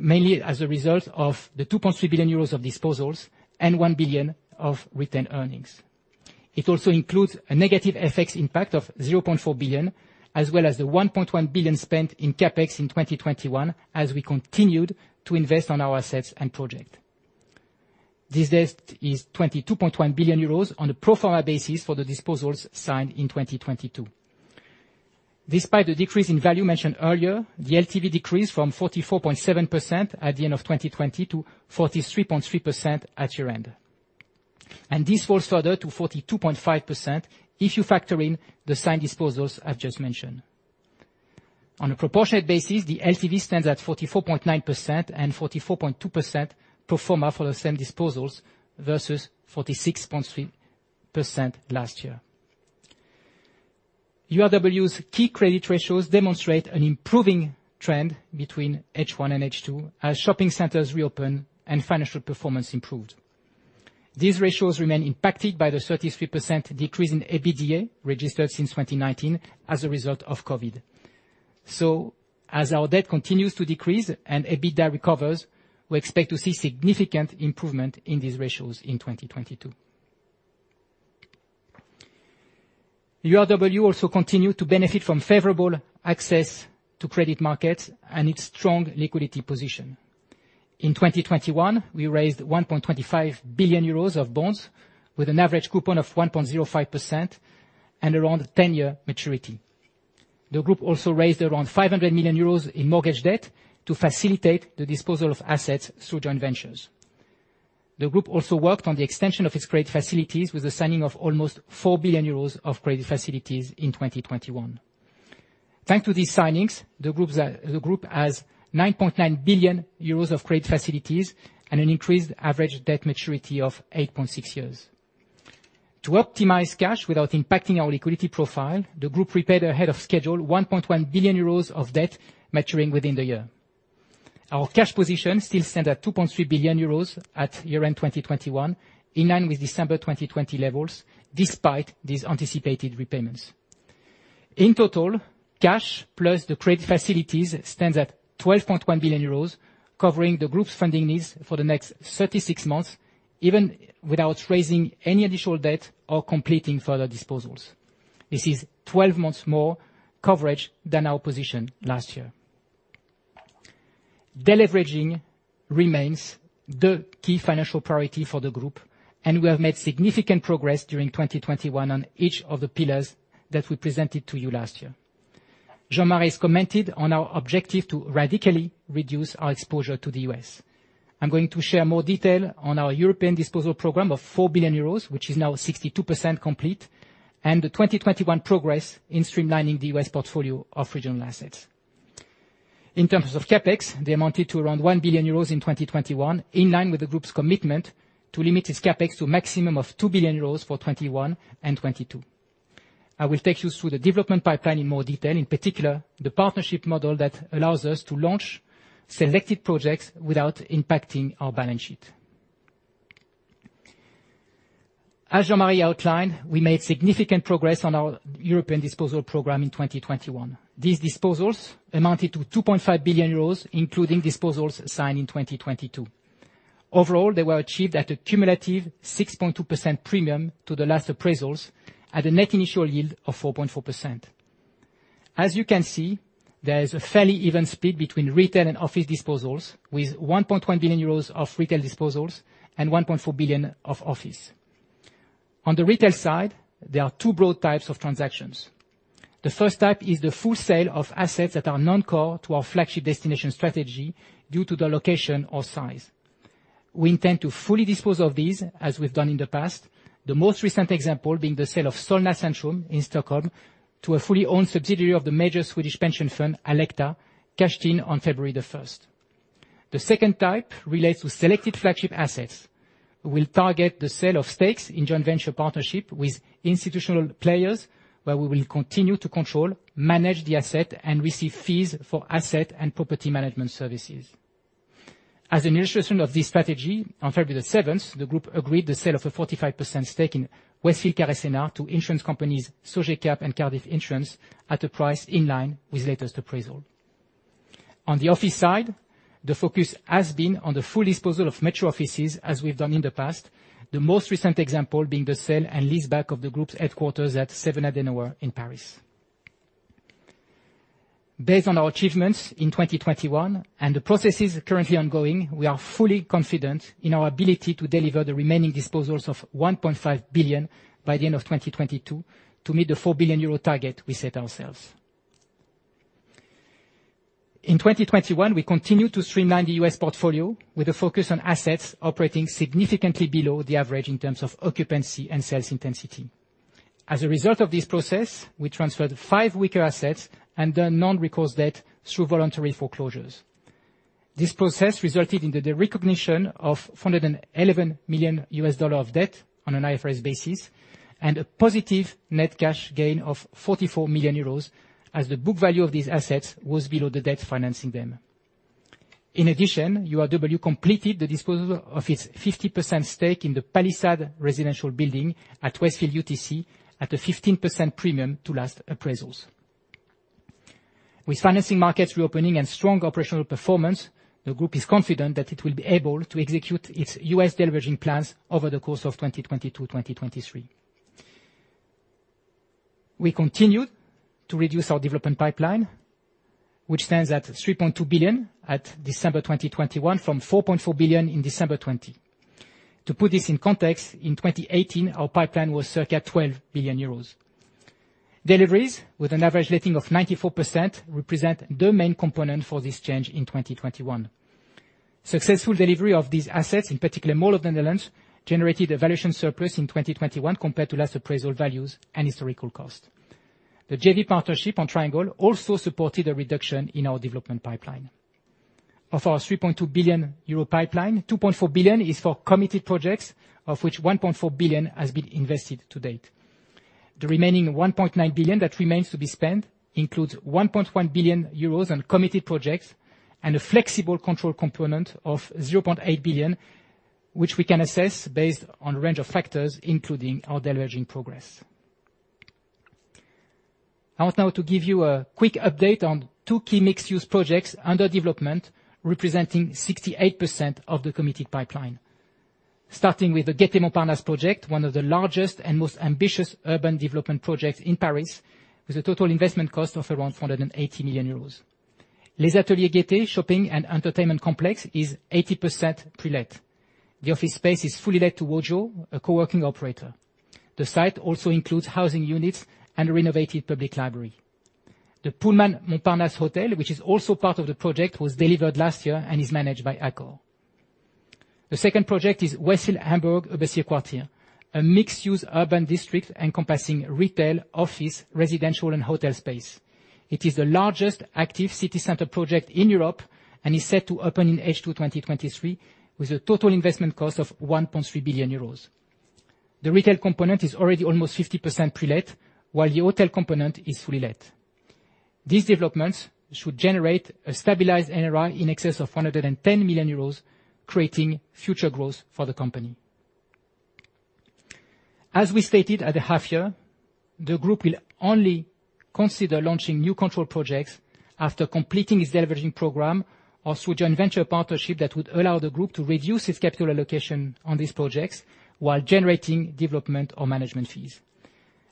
mainly as a result of the 2.3 billion euros of disposals and 1 billion of retained earnings. It also includes a negative FX impact of 0.4 billion, as well as the 1.1 billion spent in CapEx in 2021 as we continued to invest on our assets and project. This debt is 22.1 billion euros on a pro forma basis for the disposals signed in 2022. Despite the decrease in value mentioned earlier, the LTV decreased from 44.7% at the end of 2020 to 43.3% at year-end. This falls further to 42.5% if you factor in the signed disposals I've just mentioned. On a proportionate basis, the LTV stands at 44.9% and 44.2% pro forma for the same disposals versus 46.3% last year. URW's key credit ratios demonstrate an improving trend between H1 and H2 as shopping centers reopen and financial performance improved. These ratios remain impacted by the 33% decrease in EBITDA registered since 2019 as a result of COVID. As our debt continues to decrease and EBITDA recovers, we expect to see significant improvement in these ratios in 2022. URW also continued to benefit from favorable access to credit markets and its strong liquidity position. In 2021, we raised 1.25 billion euros of bonds with an average coupon of 1.05% and around 10-year maturity. The group also raised around 500 million euros in mortgage debt to facilitate the disposal of assets through joint ventures. The group also worked on the extension of its credit facilities with the signing of almost 4 billion euros of credit facilities in 2021. Thanks to these signings, the group has 9.9 billion euros of credit facilities and an increased average debt maturity of 8.6 years. To optimize cash without impacting our liquidity profile, the group repaid ahead of schedule 1.1 billion euros of debt maturing within the year. Our cash position still stands at 2.3 billion euros at year-end 2021, in line with December 2020 levels, despite these anticipated repayments. In total, cash plus the credit facilities stands at 12.1 billion euros, covering the group's funding needs for the next 36 months, even without raising any additional debt or completing further disposals. This is 12 months more coverage than our position last year. Deleveraging remains the key financial priority for the group, and we have made significant progress during 2021 on each of the pillars that we presented to you last year. Jean-Marie has commented on our objective to radically reduce our exposure to the U.S. I'm going to share more detail on our European disposal program of 4 billion euros, which is now 62% complete, and the 2021 progress in streamlining the U.S. portfolio of regional assets. In terms of CapEx, they amounted to around 1 billion euros in 2021, in line with the group's commitment to limit its CapEx to a maximum of 2 billion euros for 2021 and 2022. I will take you through the development pipeline in more detail, in particular, the partnership model that allows us to launch selected projects without impacting our balance sheet. As Jean-Marie outlined, we made significant progress on our European disposal program in 2021. These disposals amounted to 2.5 billion euros, including disposals signed in 2022. Overall, they were achieved at a cumulative 6.2% premium to the last appraisals at a net initial yield of 4.4%. As you can see, there is a fairly even split between retail and office disposals, with 1.1 billion euros of retail disposals and 1.4 billion of office. On the retail side, there are two broad types of transactions. The first type is the full sale of assets that are non-core to our flagship destination strategy due to the location or size. We intend to fully dispose of these, as we've done in the past. The most recent example being the sale of Solna Centrum in Stockholm to a fully owned subsidiary of the major Swedish pension fund, Alecta, closed on February 1st. The second type relates to selected flagship assets. We'll target the sale of stakes in joint venture partnerships with institutional players, where we will continue to control, manage the asset, and receive fees for asset and property management services. As an illustration of this strategy, on February 7th, the group agreed the sale of a 45% stake in Westfield Carré Sénart to insurance companies Sogecap and Cardif at a price in line with latest appraisal. On the office side, the focus has been on the full disposal of metro offices, as we've done in the past, the most recent example being the sale and leaseback of the group's headquarters at 7 Adenauer in Paris. Based on our achievements in 2021 and the processes currently ongoing, we are fully confident in our ability to deliver the remaining disposals of 1.5 billion by the end of 2022 to meet the 4 billion euro target we set ourselves. In 2021, we continued to streamline the U.S. portfolio with a focus on assets operating significantly below the average in terms of occupancy and sales intensity. As a result of this process, we transferred five weaker assets and their non-recourse debt through voluntary foreclosures. This process resulted in the recognition of $411 million of debt on an IFRS basis and a positive net cash gain of 44 million euros as the book value of these assets was below the debt financing them. In addition, URW completed the disposal of its 50% stake in the Palisade residential building at Westfield UTC at a 15% premium to last appraisals. With financing markets reopening and strong operational performance, the group is confident that it will be able to execute its U.S. deleveraging plans over the course of 2022, 2023. We continued to reduce our development pipeline, which stands at 3.2 billion at December 2021 from 4.4 billion in December 2020. To put this in context, in 2018, our pipeline was circa 12 billion euros. Deliveries with an average letting of 94% represent the main component for this change in 2021. Successful delivery of these assets, in particular Mall of the Netherlands, generated a valuation surplus in 2021 compared to last appraisal values and historical cost. The JV partnership on Triangle also supported a reduction in our development pipeline. Of our 3.2 billion euro pipeline, 2.4 billion is for committed projects, of which 1.4 billion has been invested to date. The remaining 1.9 billion that remains to be spent includes 1.1 billion euros on committed projects and a flexible control component of 0.8 billion, which we can assess based on a range of factors, including our deleveraging progress. I want now to give you a quick update on two key mixed-use projects under development, representing 68% of the committed pipeline. Starting with the Gaîté Montparnasse project, one of the largest and most ambitious urban development projects in Paris, with a total investment cost of around 480 million euros. Les Ateliers Gaîté shopping and entertainment complex is 80% pre-let. The office space is fully let to Wojo, a co-working operator. The site also includes housing units and a renovated public library. The Pullman Paris Montparnasse hotel, which is also part of the project, was delivered last year and is managed by Accor. The second project is Westfield Hamburg-Überseequartier, a mixed-use urban district encompassing retail, office, residential, and hotel space. It is the largest active city center project in Europe and is set to open in H2 2023 with a total investment cost of 1.3 billion euros. The retail component is already almost 50% pre-let, while the hotel component is fully let. These developments should generate a stabilized NRI in excess of 410 million euros, creating future growth for the company. As we stated at the half year, the group will only consider launching new control projects after completing its deleveraging program or through a joint venture partnership that would allow the group to reduce its capital allocation on these projects while generating development or management fees.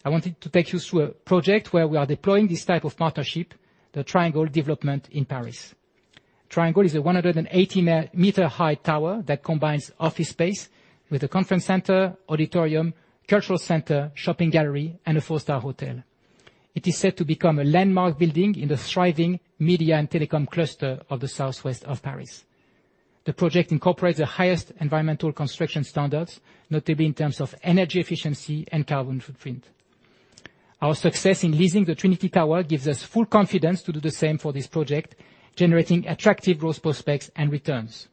I wanted to take you through a project where we are deploying this type of partnership, the Triangle development in Paris. Triangle is a 180 m high tower that combines office space with a conference center, auditorium, cultural center, shopping gallery, and a four-star hotel. It is set to become a landmark building in the thriving media and telecom cluster of the southwest of Paris. The project incorporates the highest environmental construction standards, notably in terms of energy efficiency and carbon footprint. Our success in leasing the Triangle Tower gives us full confidence to do the same for this project, generating attractive growth prospects and returns.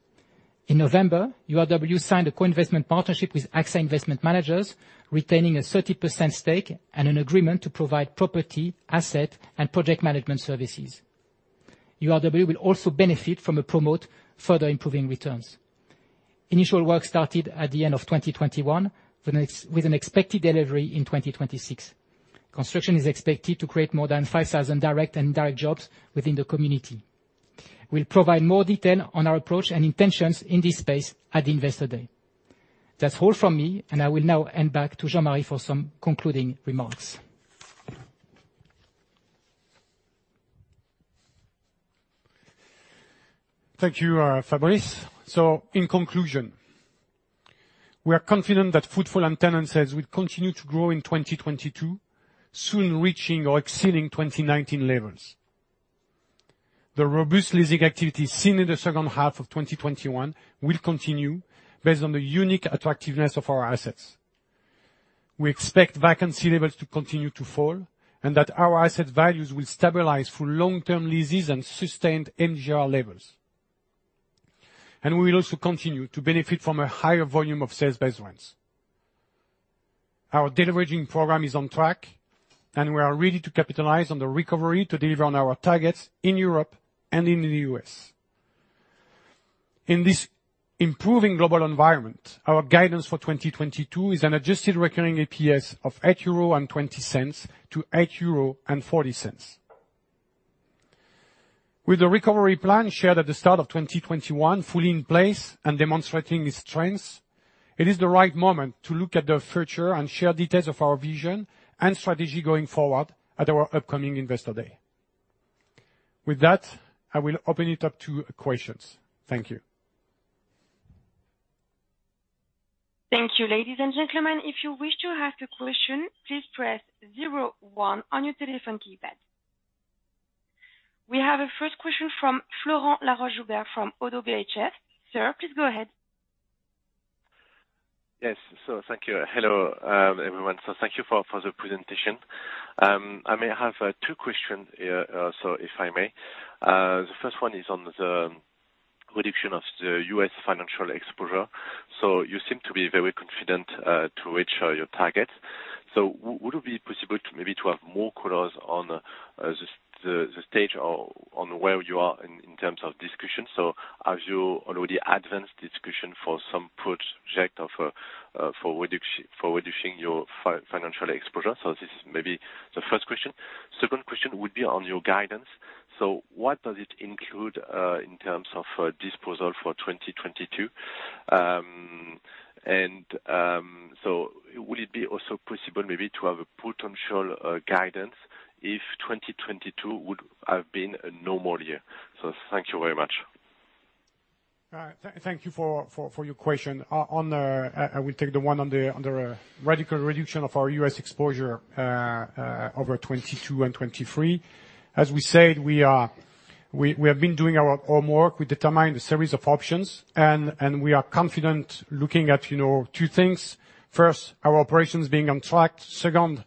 In November, URW signed a co-investment partnership with AXA Investment Managers, retaining a 30% stake and an agreement to provide property, asset, and project management services. URW will also benefit from a promote further improving returns. Initial work started at the end of 2021, with an expected delivery in 2026. Construction is expected to create more than 5,000 direct and indirect jobs within the community. We'll provide more detail on our approach and intentions in this space at Investor Day. That's all from me, and I will now hand back to Jean-Marie for some concluding remarks. Thank you, Fabrice. In conclusion, we are confident that footfall and tenant sales will continue to grow in 2022, soon reaching or exceeding 2019 levels. The robust leasing activity seen in the second half of 2021 will continue based on the unique attractiveness of our assets. We expect vacancy levels to continue to fall, and that our asset values will stabilize through long-term leases and sustained MGR levels. We will also continue to benefit from a higher volume of sales-based rents. Our deleveraging program is on track, and we are ready to capitalize on the recovery to deliver on our targets in Europe and in the U.S. In this improving global environment, our guidance for 2022 is an adjusted recurring AREPS of 8.20-8.40 euro. With the recovery plan shared at the start of 2021 fully in place and demonstrating its strengths, it is the right moment to look at the future and share details of our vision and strategy going forward at our upcoming Investor Day. With that, I will open it up to questions. Thank you. Thank you. Ladies and gentlemen, if you wish to ask a question, please press zero one on your telephone keypad. We have a first question from Florent Laroche-Joubert from ODDO BHF. Sir, please go ahead. Yes. Thank you. Hello, everyone. Thank you for the presentation. I may have two questions, so if I may. The first one is on the reduction of the U.S. financial exposure. You seem to be very confident to reach your targets. Would it be possible to maybe have more color on the stage or on where you are in terms of discussion? Have you already advanced discussions for some projects for reducing your financial exposure? This is maybe the first question. Second question would be on your guidance. What does it include in terms of disposals for 2022? Would it be also possible maybe to have a potential guidance if 2022 would have been a normal year? Thank you very much. Thank you for your question. I will take the one on the radical reduction of our U.S. exposure over 2022 and 2023. As we said, we have been doing our homework. We determined a series of options, and we are confident looking at, you know, two things. First, our operations being on track. Second,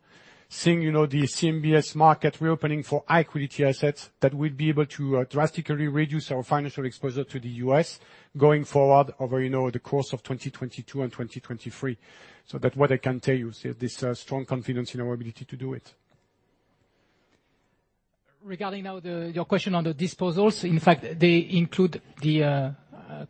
seeing, you know, the CMBS market reopening for high-equity assets that we'll be able to drastically reduce our financial exposure to the U.S. going forward over, you know, the course of 2022 and 2023. What I can tell you is this, strong confidence in our ability to do it. Regarding now your question on the disposals, in fact, they include the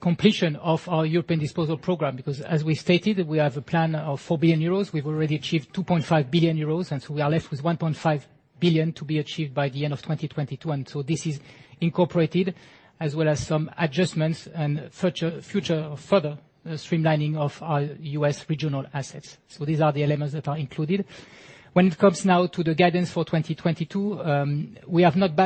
completion of our European disposal program, because as we stated, we have a plan of 4 billion euros. We've already achieved 2.5 billion euros, and we are left with 1.5 billion to be achieved by the end of 2022. This is incorporated, as well as some adjustments and future further streamlining of our U.S. regional assets. These are the elements that are included. When it comes now to the guidance for 2022, we have not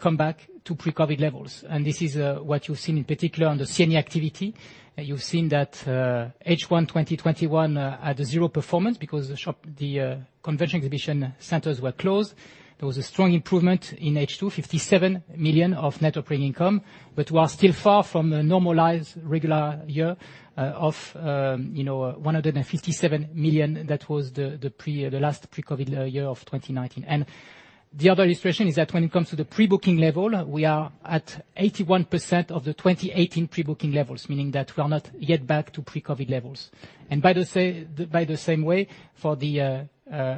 come back to pre-COVID levels. This is what you've seen in particular on the C&E activity. You've seen that H1 2021 had zero performance because the convention exhibition centers were closed. There was a strong improvement in H2, 57 million of net operating income, but we are still far from the normalized regular year of 157 million. That was the last pre-COVID year of 2019. The other illustration is that when it comes to the pre-booking level, we are at 81% of the 2018 pre-booking levels, meaning that we are not yet back to pre-COVID levels. In the same way, for the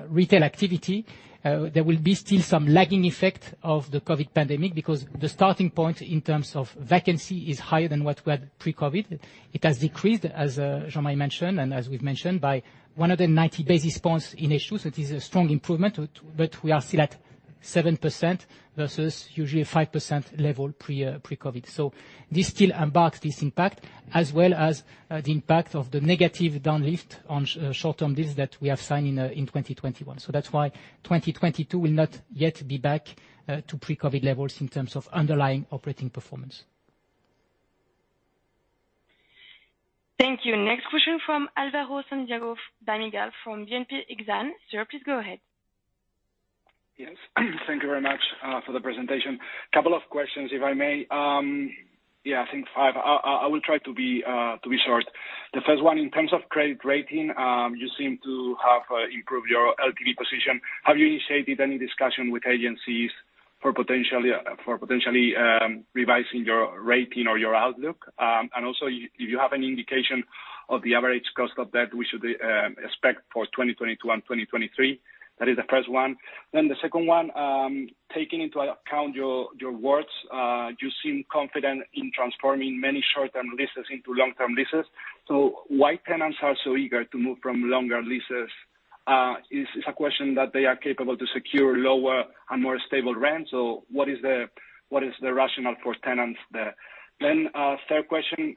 retail activity, there will still be some lagging effect of the COVID pandemic because the starting point in terms of vacancy is higher than what we had pre-COVID. It has decreased, as Jean-Marie mentioned, and as we've mentioned, by 190 basis points in H2, so it is a strong improvement, but we are still at 7% versus usually a 5% level pre-COVID. This still embeds this impact as well as the impact of the negative downlift on short-term deals that we are signing in 2021. That's why 2022 will not yet be back to pre-COVID levels in terms of underlying operating performance. Thank you. Next question from Alvaro Santiago Dominguez from BNP Exane. Sir, please go ahead. Yes. Thank you very much for the presentation. Couple of questions, if I may. Yeah, I think five. I will try to be short. The first one, in terms of credit rating, you seem to have improved your LTV position. Have you initiated any discussion with agencies for potentially revising your rating or your outlook? And also, if you have any indication of the average cost of that we should expect for 2022 and 2023. That is the first one. The second one, taking into account your words, you seem confident in transforming many short-term leases into long-term leases. So why tenants are so eager to move from short-term to long-term leases is a question that they are capable of securing lower and more stable rent. What is the rationale for tenants there? Then, third question,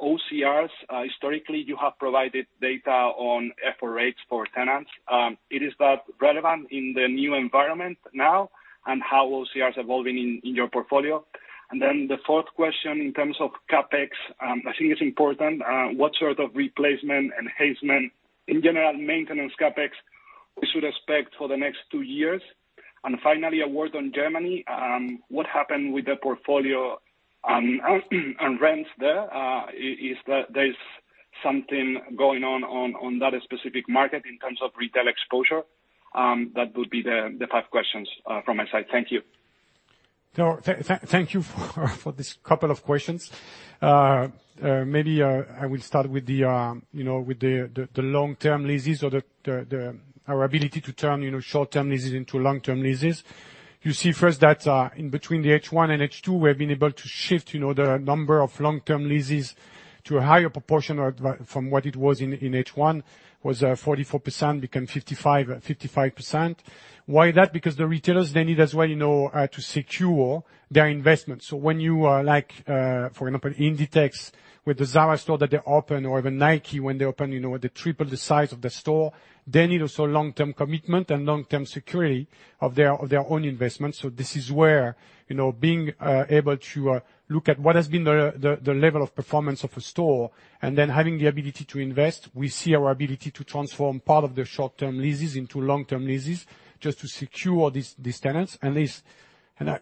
OCRs, historically, you have provided data on OCR for tenants. It is that relevant in the new environment now? How OCR is evolving in your portfolio. Then the fourth question in terms of CapEx, I think it's important, what sort of replacement, enhancement, in general, maintenance CapEx we should expect for the next two years. Finally, a word on Germany, what happened with the portfolio, and rents there? Is that there's something going on that specific market in terms of retail exposure? That would be the five questions from my side. Thank you. Thank you for this couple of questions. Maybe I will start with the, you know, with the long-term leases or our ability to turn, you know, short-term leases into long-term leases. You see first that in between the H1 and H2, we have been able to shift, you know, the number of long-term leases to a higher proportion or from what it was in H1, was 44%, became 55%. Why is that? Because the retailers, they need as well, you know, to secure their investments. When you like, for example, Inditex with the Zara store that they opened, or even Nike when they opened, you know, they tripled the size of the store. They need also long-term commitment and long-term security of their own investment. This is where, you know, being able to look at what has been the level of performance of a store, and then having the ability to invest, we see our ability to transform part of their short-term leases into long-term leases just to secure these tenants.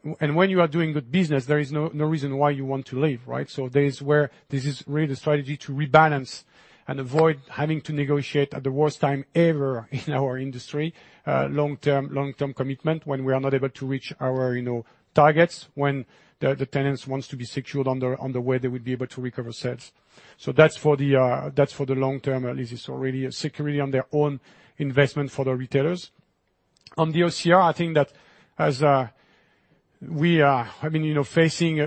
When you are doing good business, there is no reason why you want to leave, right? This is where this is really the strategy to rebalance and avoid having to negotiate at the worst time ever in our industry, long-term commitment when we are not able to reach our, you know, targets, when the tenants wants to be secured on the way they would be able to recover sales. That's for the long-term leases, so really a security on their own investment for the retailers. On the OCR, I think that as we are, I mean, you know, facing a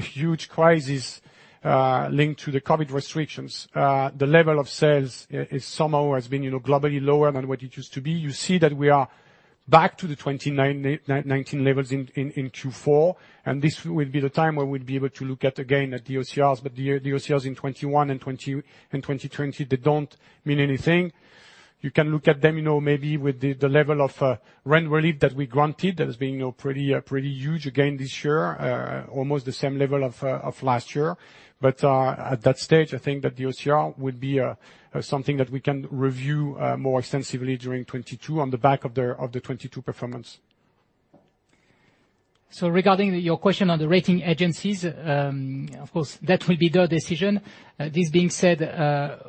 huge crisis linked to the COVID restrictions. The level of sales is somehow has been, you know, globally lower than what it used to be. You see that we are back to the 2019 levels in Q4, and this will be the time where we'll be able to look at again at the OCRs. The OCRs in 2021 and 2020, they don't mean anything. You can look at them, you know, maybe with the level of rent relief that we granted, that is being, you know, pretty huge again this year. Almost the same level of last year. At that stage, I think that the OCR would be something that we can review more extensively during 2022 on the back of the 2022 performance. Regarding your question on the rating agencies, of course, that will be their decision. This being said,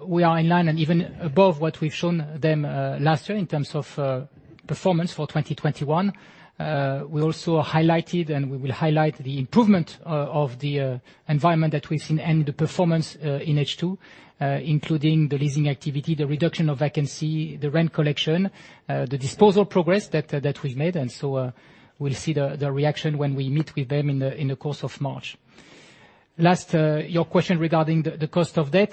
we are in line and even above what we've shown them last year in terms of performance for 2021. We also highlighted, and we will highlight the improvement of the environment that we've seen and the performance in H2, including the leasing activity, the reduction of vacancy, the rent collection, the disposal progress that we've made. We'll see the reaction when we meet with them in the course of March. Last, your question regarding the cost of debt.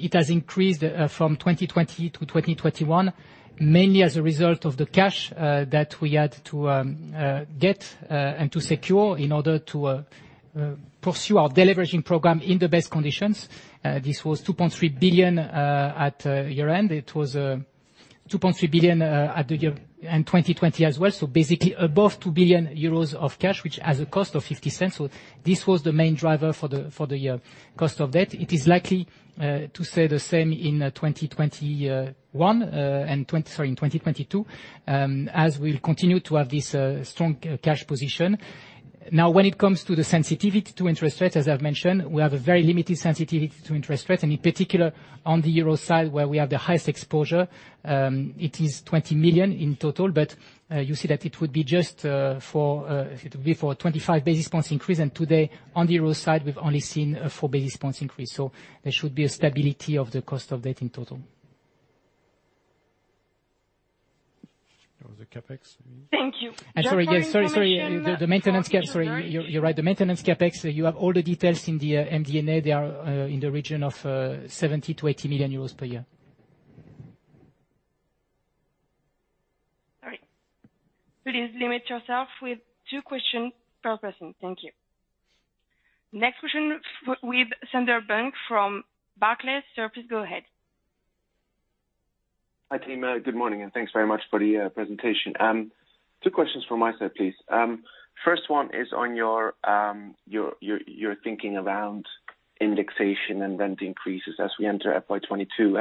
It has increased from 2020 to 2021 mainly as a result of the cash that we had to get and to secure in order to pursue our deleveraging program in the best conditions. This was 2.3 billion at year-end. It was 2.3 billion in 2020 as well. Basically above 2 billion euros of cash, which has a cost of 0.50. This was the main driver for the cost of debt. It is likely to stay the same in 2022 as we'll continue to have this strong cash position. Now, when it comes to the sensitivity to interest rates, as I've mentioned, we have a very limited sensitivity to interest rates, and in particular on the euro side, where we have the highest exposure, it is 20 million in total. But you see that it would be just for a 25 basis points increase. And today on the euro side, we've only seen a four basis points increase. There should be a stability of the cost of debt in total. That was the CapEx, maybe. Thank you. Actually, yeah. Sorry. The maintenance CapEx. Sorry. You're right. The maintenance CapEx, you have all the details in the MD&A. They are in the region of 70 million-80 million euros per year. Sorry. Please limit yourself to two questions per person. Thank you. Next question from Sander Bunck from Barclays. Sir, please go ahead. Hi, team. Good morning, and thanks very much for the presentation. Two questions from my side, please. First one is on your thinking around indexation and rent increases as we enter FY 2022.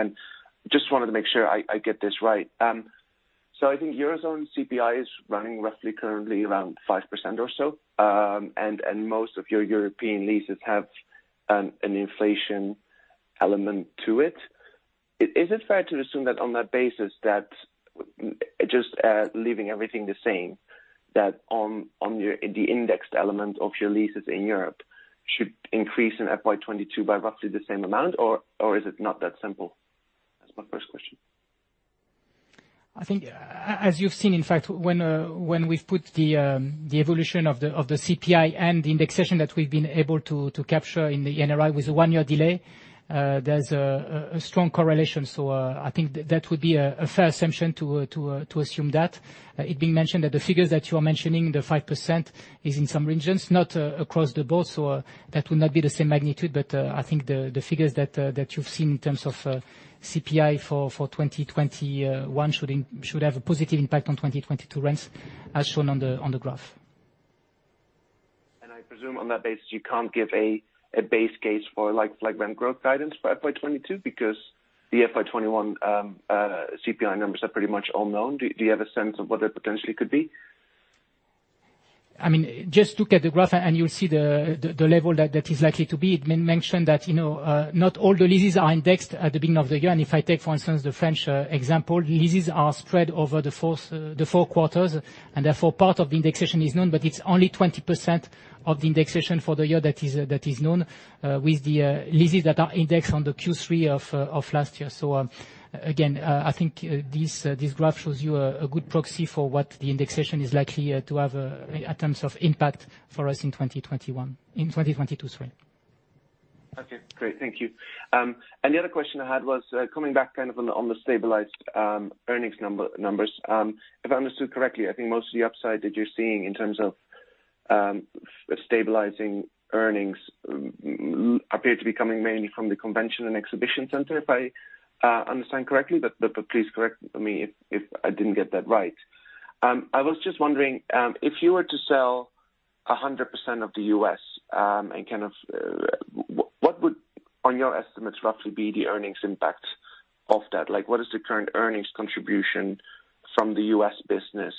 Just wanted to make sure I get this right. So I think Eurozone CPI is running roughly currently around 5% or so. And most of your European leases have an inflation element to it. Is it fair to assume that on that basis, just leaving everything the same, the indexed element of your leases in Europe should increase in FY 2022 by roughly the same amount? Or is it not that simple? That's my first question. I think as you've seen, in fact, when we've put the evolution of the CPI and the indexation that we've been able to capture in the NRI with a one-year delay, there's a strong correlation. I think that would be a fair assumption to assume that. It being mentioned that the figures that you are mentioning, the 5% is in some regions, not across the board, so that will not be the same magnitude. I think the figures that you've seen in terms of CPI for 2021 should have a positive impact on 2022 rents as shown on the graph. I presume on that basis, you can't give a base case for like rent growth guidance by 2022 because the FY 2021 CPI numbers are pretty much all known. Do you have a sense of what that potentially could be? I mean, just look at the graph and you'll see the level that is likely to be. It mentioned that, you know, not all the leases are indexed at the beginning of the year. If I take, for instance, the French example, leases are spread over the four quarters, and therefore part of the indexation is known, but it's only 20% of the indexation for the year that is known with the leases that are indexed on the Q3 of last year. Again, I think this graph shows you a good proxy for what the indexation is likely to have in terms of impact for us in 2022, sorry. Okay, great. Thank you. The other question I had was coming back kind of on the stabilized earnings numbers. If I understood correctly, I think most of the upside that you're seeing in terms of stabilizing earnings appear to be coming mainly from the convention and exhibition center, if I understand correctly. But please correct me if I didn't get that right. I was just wondering if you were to sell 100% of the U.S., and kind of what would on your estimates roughly be the earnings impact of that? Like, what is the current earnings contribution from the U.S. business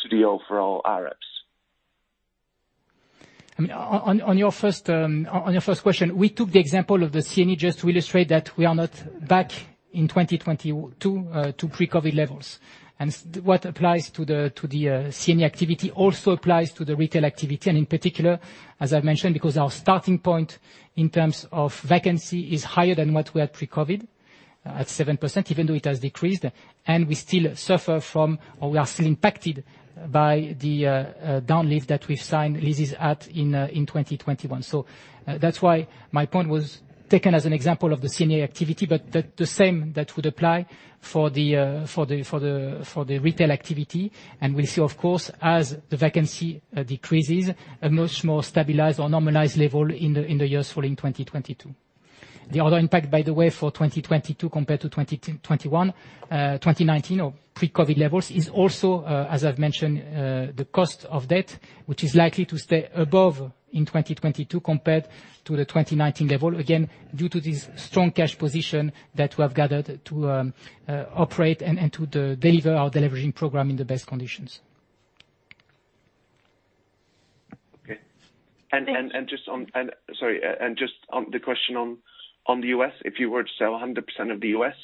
to the overall AREPS? I mean, on your first question, we took the example of the C&E just to illustrate that we are not back in 2022 to pre-COVID levels. What applies to the C&E activity also applies to the retail activity, and in particular, as I've mentioned, because our starting point in terms of vacancy is higher than what we had pre-COVID, at 7%, even though it has decreased. We still suffer from, or we are still impacted by the down lease that we've signed leases at in 2021. That's why my point was taken as an example of the C&E activity, but the same that would apply for the retail activity. We'll see of course, as the vacancy decreases to a much more stabilized or normalized level in the years following 2022. The other impact, by the way, for 2022 compared to 2021, 2019 or pre-COVID levels is also, as I've mentioned, the cost of debt, which is likely to stay above in 2022 compared to the 2019 level, again, due to this strong cash position that we have gathered to operate and to deliver our deleveraging program in the best conditions. Okay. Thanks. Sorry, just on the question on the U.S., if you were to sell 100% of the U.S.,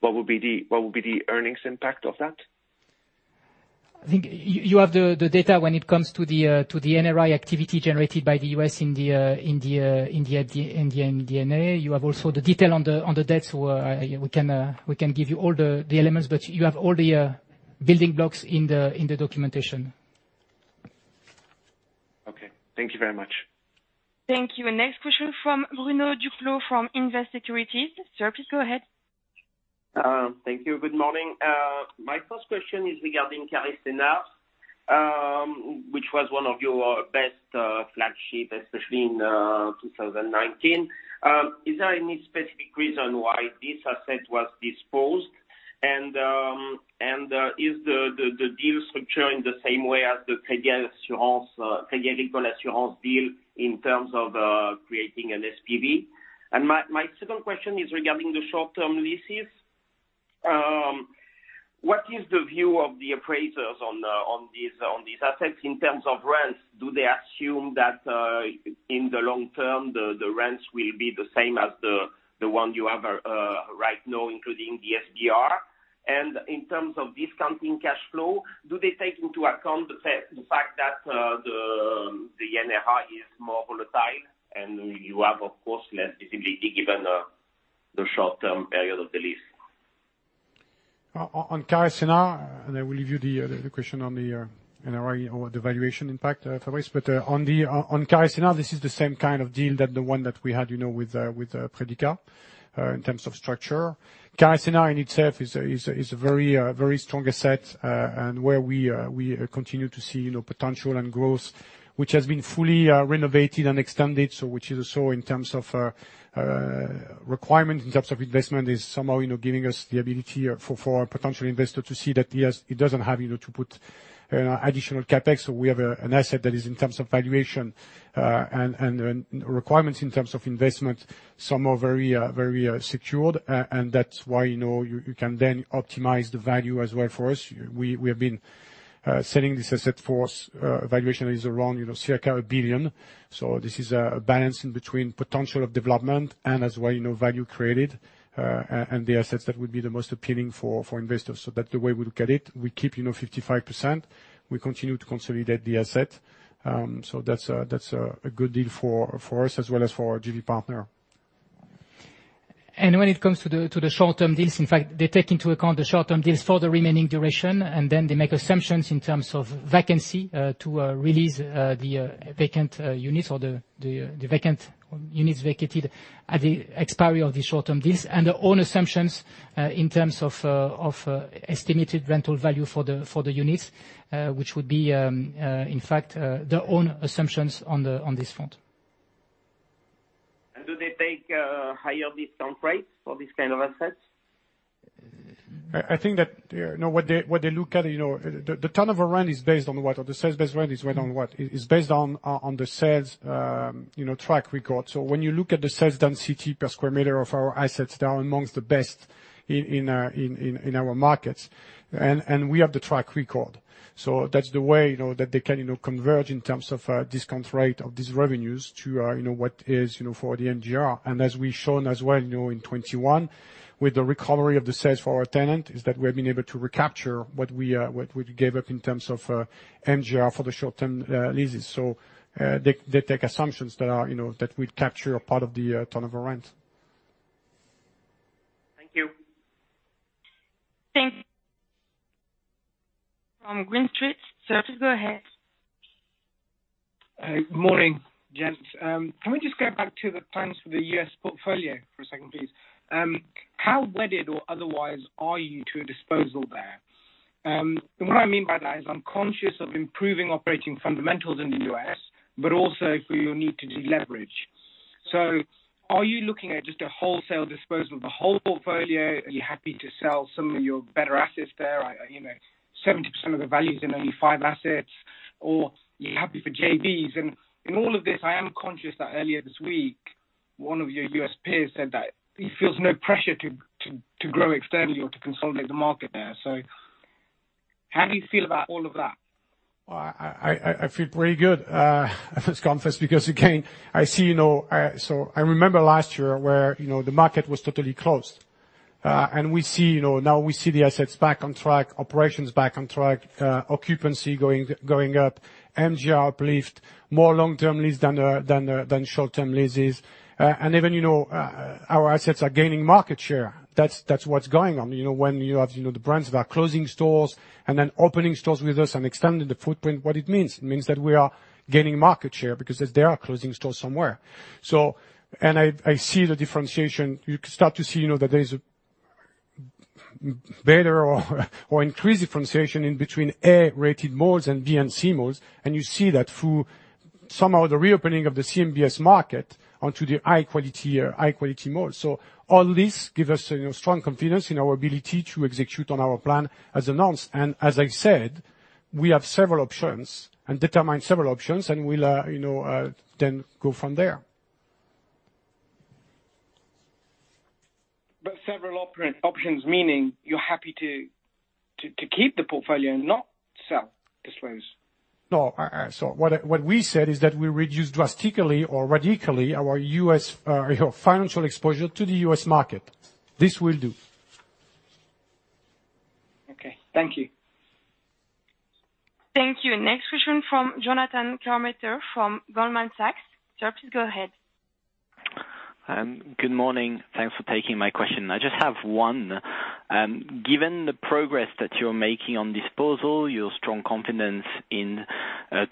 what would be the earnings impact of that? I think you have the data when it comes to the NRI activity generated by the U.S. in the MD&A. You have also the detail on the debt, so we can give you all the elements, but you have all the building blocks in the documentation. Okay. Thank you very much. Thank you. Next question from Bruno Duclos from Invest Securities. Sir, please go ahead. Thank you. Good morning. My first question is regarding Carré Sénart, which was one of your best flagship, especially in 2019. Is there any specific reason why this asset was disposed? Is the deal structure in the same way as the Crédit Agricole Assurances deal in terms of creating an SPV? My second question is regarding the short-term leases. What is the view of the appraisers on these assets in terms of rents? Do they assume that in the long term, the rents will be the same as the one you have right now, including the SDR? In terms of discounting cash flow, do they take into account the fact that the NRI is more volatile and you have, of course, less visibility given the short-term period of the lease? On Carré Sénart, I will leave you the question on the NRI or the valuation impact, Fabrice. On Carré Sénart, this is the same kind of deal that we had, you know, with Predica in terms of structure. Carré Sénart in itself is a very strong asset, and we continue to see, you know, potential and growth, which has been fully renovated and extended, so which is also in terms of requirement, in terms of investment, is somehow, you know, giving us the ability for our potential investor to see that he doesn't have, you know, to put additional CapEx. We have an asset that is in terms of valuation and requirements in terms of investment. Some are very secured. And that's why, you know, you can then optimize the value as well for us. We have been selling this asset for us. Valuation is around, you know, circa 1 billion. This is a balance in between potential of development and as well, you know, value created and the assets that would be the most appealing for investors. That's the way we look at it. We keep, you know, 55%. We continue to consolidate the asset. That's a good deal for us as well as for our JV partner. When it comes to the short-term deals, in fact, they take into account the short-term deals for the remaining duration, and then they make assumptions in terms of vacancy to release the vacant units or the vacant units vacated at the expiry of the short-term deals. Their own assumptions in terms of estimated rental value for the units, which would be, in fact, their own assumptions on this front. Take a higher discount rate for this kind of assets. I think that, you know, what they look at, you know, the turnover rent is based on what? Or the sales-based rent is based on what? It's based on the sales, you know, track record. When you look at the sales density per square meter of our assets, they are among the best in our markets. We have the track record. That's the way, you know, that they can, you know, converge in terms of discount rate of these revenues to, you know, what is, you know, for the MGR. As we've shown as well, you know, in 2021, with the recovery of the sales for our tenant, is that we have been able to recapture what we gave up in terms of MGR for the short-term leases. They take assumptions that are, you know, that we capture a part of the turnover rent. Thank you. From Green Street. Sir, please go ahead. Morning, gents. Can we just go back to the plans for the U.S. portfolio for a second, please? How wedded or otherwise are you to a disposal there? What I mean by that is I'm conscious of improving operating fundamentals in the U.S., but also for your need to deleverage. Are you looking at just a wholesale disposal of the whole portfolio? Are you happy to sell some of your better assets there? You know, 70% of the value is in only five assets. Or are you happy for JVs? In all of this, I am conscious that earlier this week, one of your U.S. peers said that he feels no pressure to grow externally or to consolidate the market there. How do you feel about all of that? Well, I feel pretty good at this conference because again, I see, you know, I remember last year where, you know, the market was totally closed. We see, you know, now we see the assets back on track, operations back on track, occupancy going up, MGR uplift, more long-term leases than short-term leases. Even, you know, our assets are gaining market share. That's what's going on. You know, when you have, you know, the brands that are closing stores and then opening stores with us and extending the footprint, what it means. It means that we are gaining market share because they are closing stores somewhere. I see the differentiation. You can start to see, you know, that there is a better or increased differentiation in between A-rated malls and B and C malls, and you see that through somehow the reopening of the CMBS market onto the high quality malls. All this give us, you know, strong confidence in our ability to execute on our plan as announced. As I said, we have several options and determine several options, and we'll, you know, then go from there. Several options meaning you're happy to keep the portfolio and not sell, dispose. No. What we said is that we reduce drastically or radically our U.S. financial exposure to the U.S. market. This will do. Okay. Thank you. Thank you. Next question from Jonathan Kownator from Goldman Sachs. Sir, please go ahead. Good morning. Thanks for taking my question. I just have one. Given the progress that you're making on disposal, your strong confidence in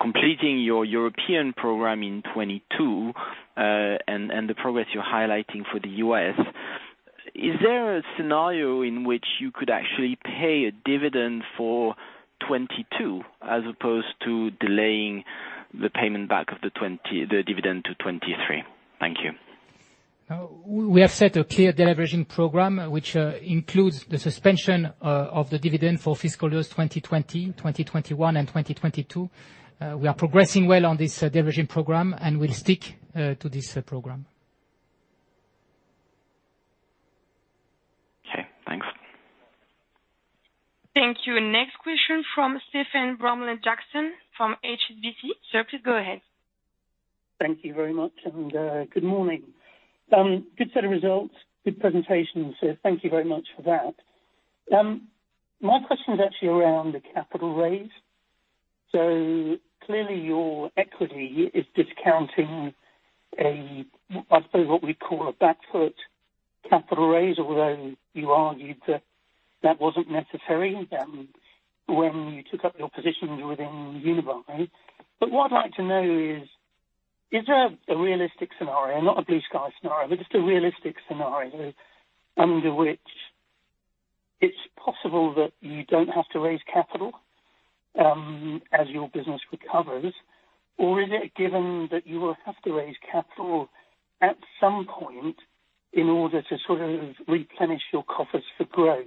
completing your European program in 2022, and the progress you're highlighting for the U.S., is there a scenario in which you could actually pay a dividend for 2022 as opposed to delaying the payment back of the dividend to 2023? Thank you. No. We have set a clear deleveraging program, which includes the suspension of the dividend for fiscal years 2020, 2021, and 2022. We are progressing well on this deleveraging program, and we'll stick to this program. Okay, thanks. Thank you. Next question from Stephen Bramley-Jackson from HSBC. Sir, please go ahead. Thank you very much and, good morning. Good set of results, good presentation. Thank you very much for that. My question is actually around the capital raise. Clearly your equity is discounting a, I suppose, what we call a back foot capital raise, although you argued that that wasn't necessary, when you took up your positions within Unibail. What I'd like to know is there a realistic scenario, not a blue sky scenario, but just a realistic scenario under which it's possible that you don't have to raise capital, as your business recovers? Or is it given that you will have to raise capital at some point in order to sort of replenish your coffers for growth?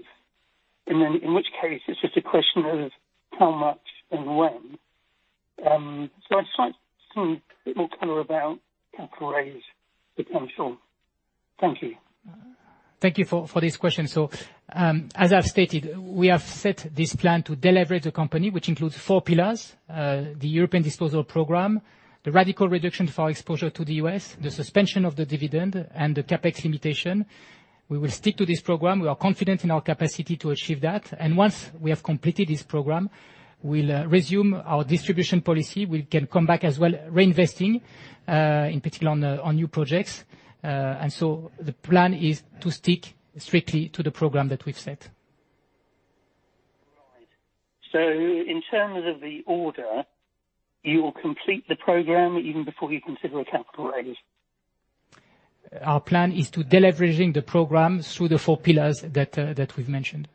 In which case, it's just a question of how much and when. I'd just like a bit more color about capital raise potential. Thank you. Thank you for this question. As I've stated, we have set this plan to deleverage the company, which includes four pillars, the European disposal program, the radical reduction for our exposure to the U.S., the suspension of the dividend, and the CapEx limitation. We will stick to this program. We are confident in our capacity to achieve that. Once we have completed this program, we'll resume our distribution policy. We can come back as well, reinvesting in particular on new projects. The plan is to stick strictly to the program that we've set. Right. In terms of the order, you will complete the program even before you consider a capital raise. Our plan is to deleveraging the program through the four pillars that we've mentioned.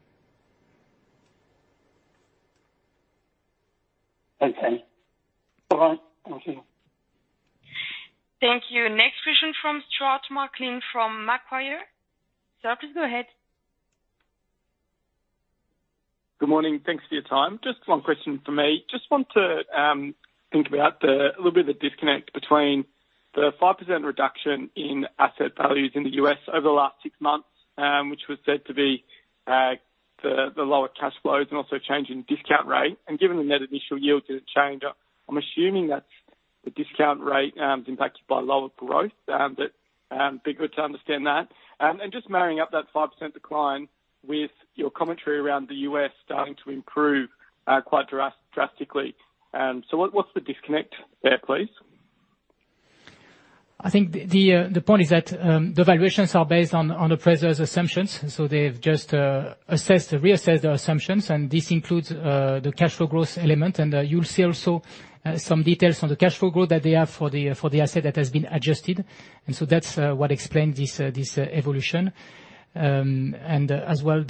Okay. Over. Thank you. Thank you. Next question from Stuart McLean, from Macquarie. Sir, please go ahead. Good morning. Thanks for your time. Just one question from me. Just want to think about a little bit of disconnect between the 5% reduction in asset values in the U.S. over the last six months, which was said to be the lower cash flows and also change in discount rate. Given the net initial yield didn't change, I'm assuming that the discount rate is impacted by lower growth. It would be good to understand that. Just marrying up that 5% decline with your commentary around the U.S. starting to improve quite drastically. What's the disconnect there, please? I think the point is that the valuations are based on the appraiser's assumptions, so they've just reassessed their assumptions, and this includes the cash flow growth element. You'll see also some details on the cash flow growth that they have for the asset that has been adjusted. That's what explains this evolution. They've also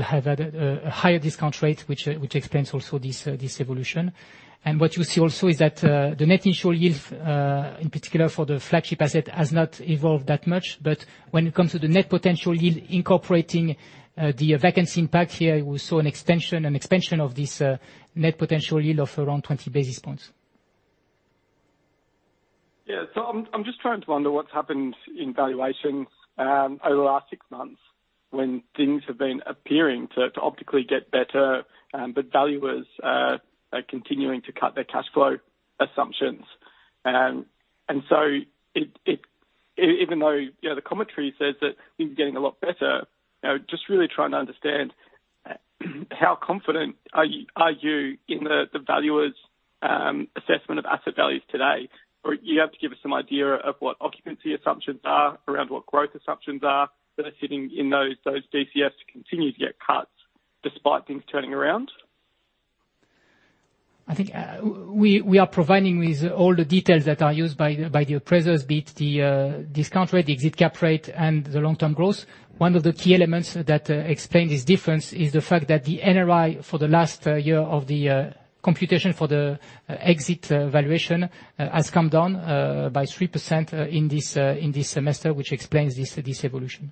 had a higher discount rate which explains also this evolution. What you see also is that the net initial yield, in particular for the flagship asset, has not evolved that much. When it comes to the net potential yield incorporating the vacancy impact here, we saw an expansion of this net potential yield of around 20 basis points. I'm just trying to wonder what's happened in valuations over the last six months when things have been appearing to optically get better, but valuers are continuing to cut their cash flow assumptions. Even though, you know, the commentary says that things are getting a lot better, you know, just really trying to understand how confident are you in the valuer's assessment of asset values today. You have to give us some idea of what occupancy assumptions are around what growth assumptions are that are sitting in those DCFs to continue to get cuts despite things turning around. I think, we are providing with all the details that are used by the appraisers, be it the discount rate, the exit cap rate, and the long-term growth. One of the key elements that explain this difference is the fact that the NRI for the last year of the computation for the exit valuation has come down by 3% in this semester, which explains this evolution.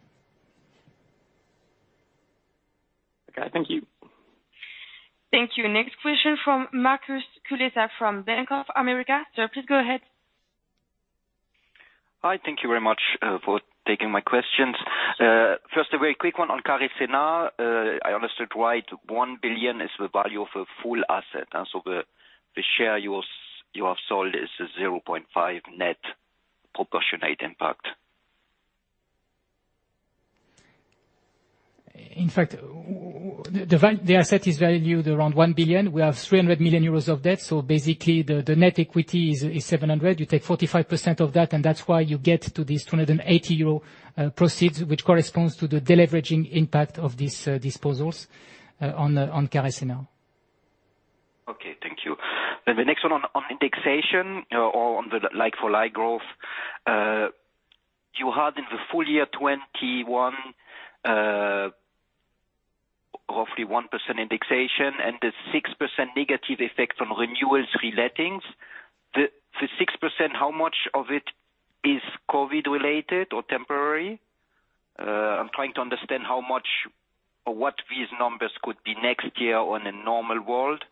Okay, thank you. Thank you. Next question from Markus Kulessa from Bank of America. Sir, please go ahead. Hi. Thank you very much for taking my questions. First, a very quick one on Carré Sénart. I understood right, 1 billion is the value of a full asset, and so the share you have sold is a 0.5 billion net proportionate impact. In fact, the asset is valued around 1 billion. We have 300 million euros of debt, so basically the net equity is 700 million. You take 45% of that, and that's why you get to this 280 million euro proceeds, which corresponds to the deleveraging impact of these disposals on Carré Sénart. Okay, thank you. The next one on indexation, or on the like-for-like growth. You had in the full year 2021, roughly 1% indexation and the 6% negative effect on renewals and relettings. The 6%, how much of it is COVID related or temporary? I'm trying to understand how much or what these numbers could be next year in a normal world.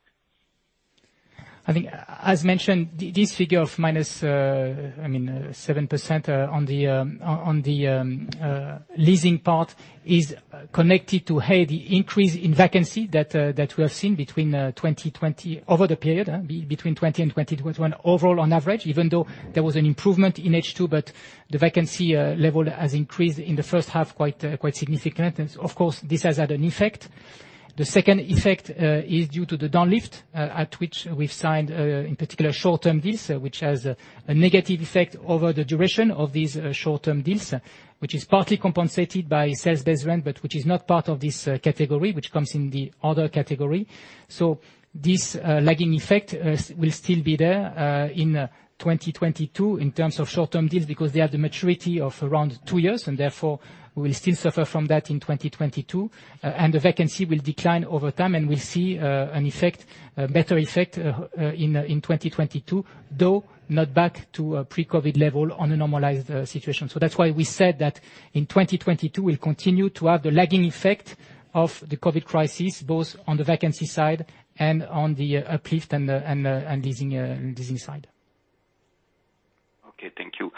I think, as mentioned, this figure of minus, I mean, 7% on the leasing part is connected to A, the increase in vacancy that we have seen over the period between 2020 and 2021 overall on average. Even though there was an improvement in H2, the vacancy level has increased in the first half quite significant. Of course, this has had an effect. The second effect is due to the downlift at which we've signed, in particular short-term deals, which has a negative effect over the duration of these short-term deals, which is partly compensated by sales-based rent, but which is not part of this category, which comes in the other category. This lagging effect will still be there in 2022 in terms of short-term deals, because they are the maturity of around two years, and therefore we will still suffer from that in 2022. The vacancy will decline over time, and we'll see an effect, a better effect in 2022, though not back to a pre-COVID level on a normalized situation. That's why we said that in 2022, we'll continue to have the lagging effect of the COVID crisis, both on the vacancy side and on the uplift and the leasing side. Okay, thank you.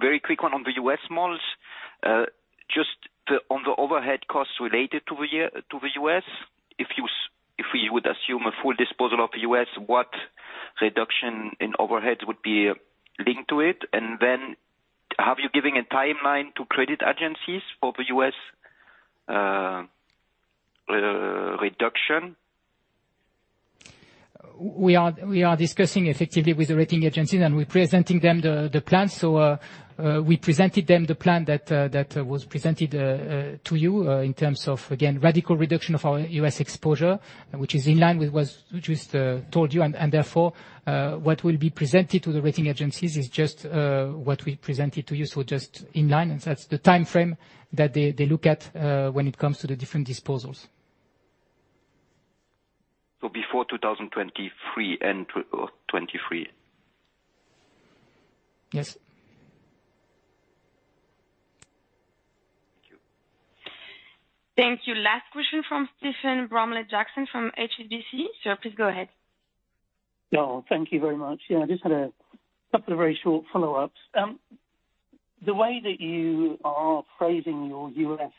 Very quick one on the U.S. malls. Just on the overhead costs related to the year, to the U.S., if we would assume a full disposal of the U.S., what reduction in overhead would be linked to it? Have you given a timeline to credit agencies for the U.S. reduction? We are discussing effectively with the rating agencies, and we're presenting them the plan. We presented them the plan that was presented to you in terms of again radical reduction of our U.S. exposure, which is in line with what we just told you. Therefore, what will be presented to the rating agencies is just what we presented to you, so just in line. That's the timeframe that they look at when it comes to the different disposals. Before 2023, end or 2023. Yes. Thank you. Thank you. Last question from Stephen Bramley-Jackson from HSBC. Sir, please go ahead. Oh, thank you very much. Yeah, I just had a couple of very short follow-ups. The way that you are phrasing your U.S.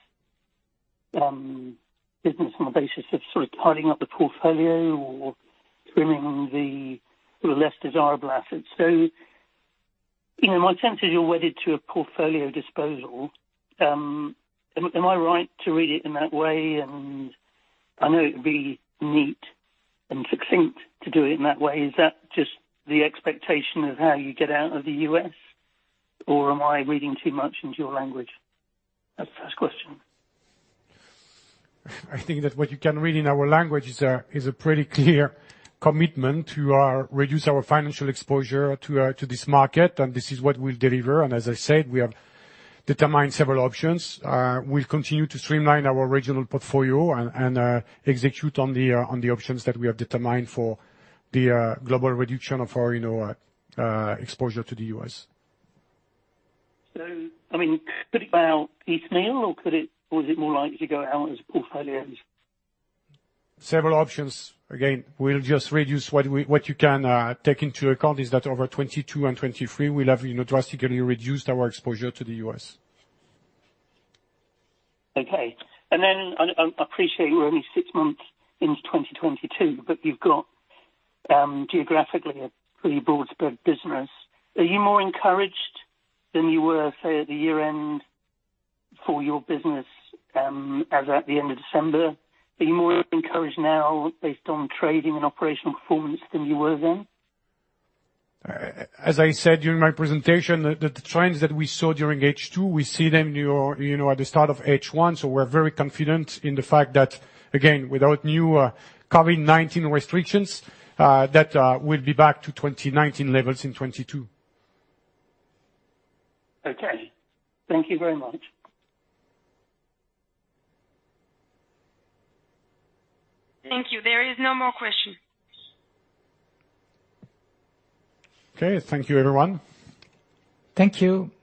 business on the basis of sort of tidying up the portfolio or trimming the less desirable assets. You know, my sense is you're wedded to a portfolio disposal. Am I right to read it in that way? I know it would be neat and succinct to do it in that way. Is that just the expectation of how you get out of the U.S.? Or am I reading too much into your language? That's the first question. I think that what you can read in our language is a pretty clear commitment to reduce our financial exposure to this market, and this is what we'll deliver. As I said, we have determined several options. We'll continue to streamline our regional portfolio and execute on the options that we have determined for the global reduction of our, you know, exposure to the U.S. I mean, could it go out piecemeal or is it more likely to go out as a portfolio? Several options. Again, we'll just reduce what you can take into account is that over 2022 and 2023, we'll have, you know, drastically reduced our exposure to the U.S. Okay. I appreciate you're only six months into 2022, but you've got geographically a pretty broad spread business. Are you more encouraged than you were, say, at the year end for your business, as at the end of December? Are you more encouraged now based on trading and operational performance than you were then? As I said during my presentation, the trends that we saw during H2, we see them, you know, at the start of H1. We're very confident in the fact that, again, without new COVID-19 restrictions, we'll be back to 2019 levels in 2022. Okay. Thank you very much. Thank you. There is no more question. Okay. Thank you, everyone. Thank you.